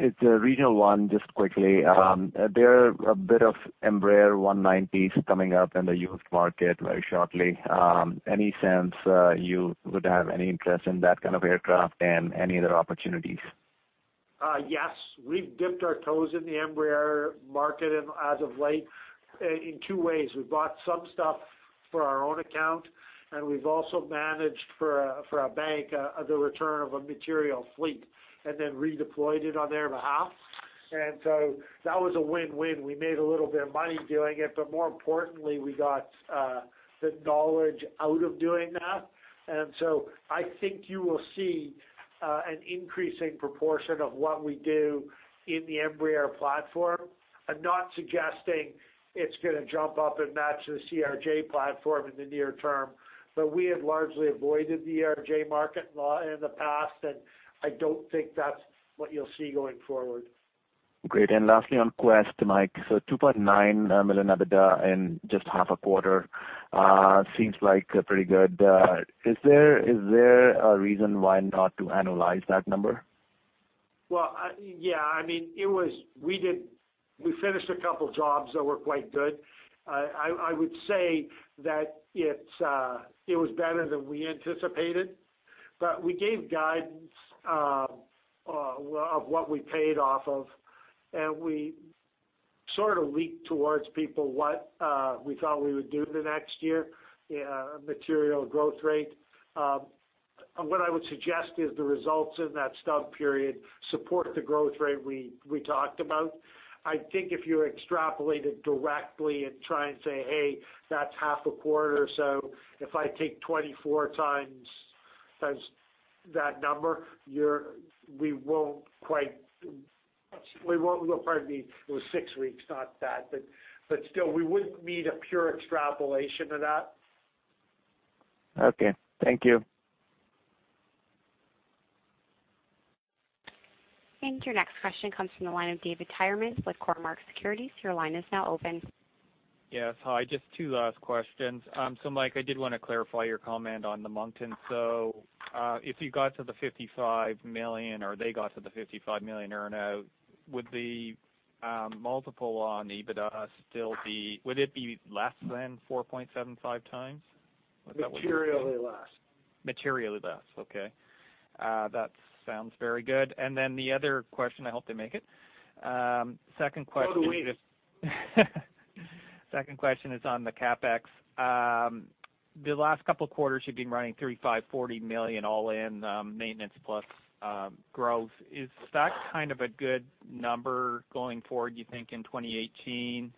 Speaker 8: it's Regional One, just quickly. There are a bit of Embraer 190s coming up in the used market very shortly. Any sense you would have any interest in that kind of aircraft and any other opportunities?
Speaker 2: Yes. We've dipped our toes in the Embraer market as of late in two ways. We bought some stuff for our own account, we've also managed for a bank, the return of a material fleet, then redeployed it on their behalf. That was a win-win. We made a little bit of money doing it, more importantly, we got the knowledge out of doing that. I think you will see an increasing proportion of what we do in the Embraer platform. I'm not suggesting it's going to jump up and match the CRJ platform in the near term, we have largely avoided the ERJ market in the past, I don't think that's what you'll see going forward.
Speaker 8: Great. Lastly on Quest, Mike. 2.9 million EBITDA in just half a quarter, seems like pretty good. Is there a reason why not to annualize that number?
Speaker 2: Well, yeah. We finished a couple of jobs that were quite good. I would say that it was better than we anticipated, we gave guidance of what we paid off of, we sort of leaked towards people what we thought we would do the next year, material growth rate. What I would suggest is the results in that stub period support the growth rate we talked about. I think if you extrapolated directly and try and say, "Hey, that's half a quarter," if I take 24 times that number, we won't quite Pardon me, it was six weeks, not that, still, we wouldn't meet a pure extrapolation of that.
Speaker 8: Okay. Thank you.
Speaker 1: Your next question comes from the line of David Tyerman with Cormark Securities. Your line is now open.
Speaker 7: Yes. Hi. Just two last questions. Mike, I did want to clarify your comment on the Moncton. If you got to the 55 million, or they got to the 55 million earn-out, would the multiple on EBITDA still be less than 4.75x? Is that what you're saying?
Speaker 2: Materially less.
Speaker 7: Materially less. Okay. That sounds very good. Then the other question, I hope they make it.
Speaker 2: Oh, do we.
Speaker 7: Second question is on the CapEx. The last couple of quarters, you've been running 35 million-40 million all in, maintenance plus growth. Is that kind of a good number going forward, you think, in 2018?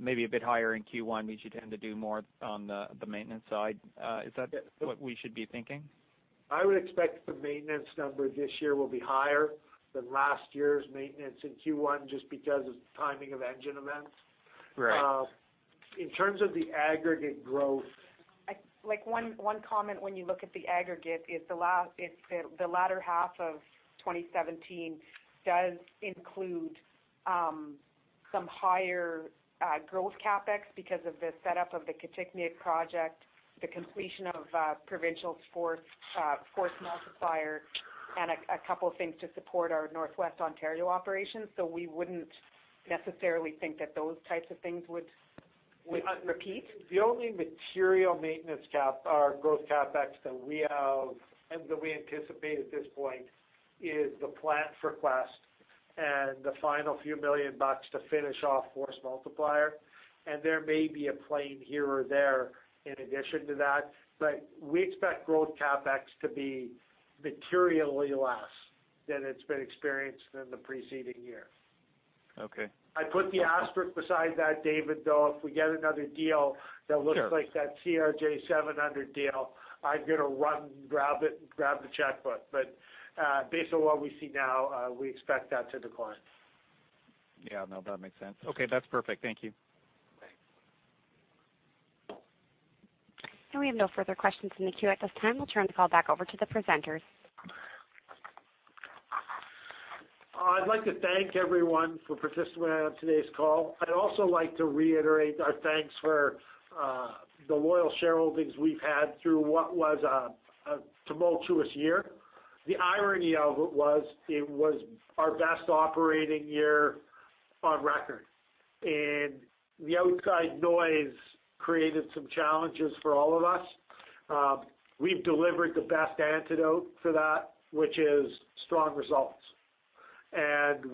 Speaker 7: Maybe a bit higher in Q1 means you'd tend to do more on the maintenance side. Is that what we should be thinking?
Speaker 2: I would expect the maintenance number this year will be higher than last year's maintenance in Q1 just because of the timing of engine events.
Speaker 7: Right.
Speaker 2: In terms of the aggregate growth
Speaker 3: One comment when you look at the aggregate is the latter half of 2017 does include some higher growth CapEx because of the setup of the Kitikmeot project, the completion of Provincial Force Multiplier, and a couple of things to support our Northwestern Ontario operations. We wouldn't necessarily think that those types of things would repeat.
Speaker 2: The only material maintenance growth CapEx that we anticipate at this point is the plant for Quest and the final few million CAD to finish off Force Multiplier. There may be a plane here or there in addition to that, we expect growth CapEx to be materially less than it's been experienced in the preceding year.
Speaker 7: Okay.
Speaker 2: I put the asterisk beside that, David, though, if we get another deal that looks like that CRJ700 deal, I'm going to run, grab it, grab the checkbook. Based on what we see now, we expect that to decline.
Speaker 7: Yeah. No, that makes sense. Okay, that's perfect. Thank you.
Speaker 2: Thanks.
Speaker 1: We have no further questions in the queue at this time. We'll turn the call back over to the presenters.
Speaker 2: I'd like to thank everyone for participating on today's call. I'd also like to reiterate our thanks for the loyal shareholdings we've had through what was a tumultuous year. The irony of it was it was our best operating year on record, and the outside noise created some challenges for all of us. We've delivered the best antidote to that, which is strong results.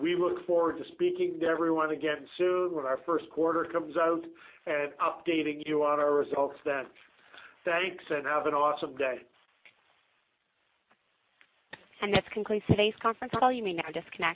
Speaker 2: We look forward to speaking to everyone again soon when our first quarter comes out and updating you on our results then. Thanks, and have an awesome day.
Speaker 1: This concludes today's conference call. You may now disconnect.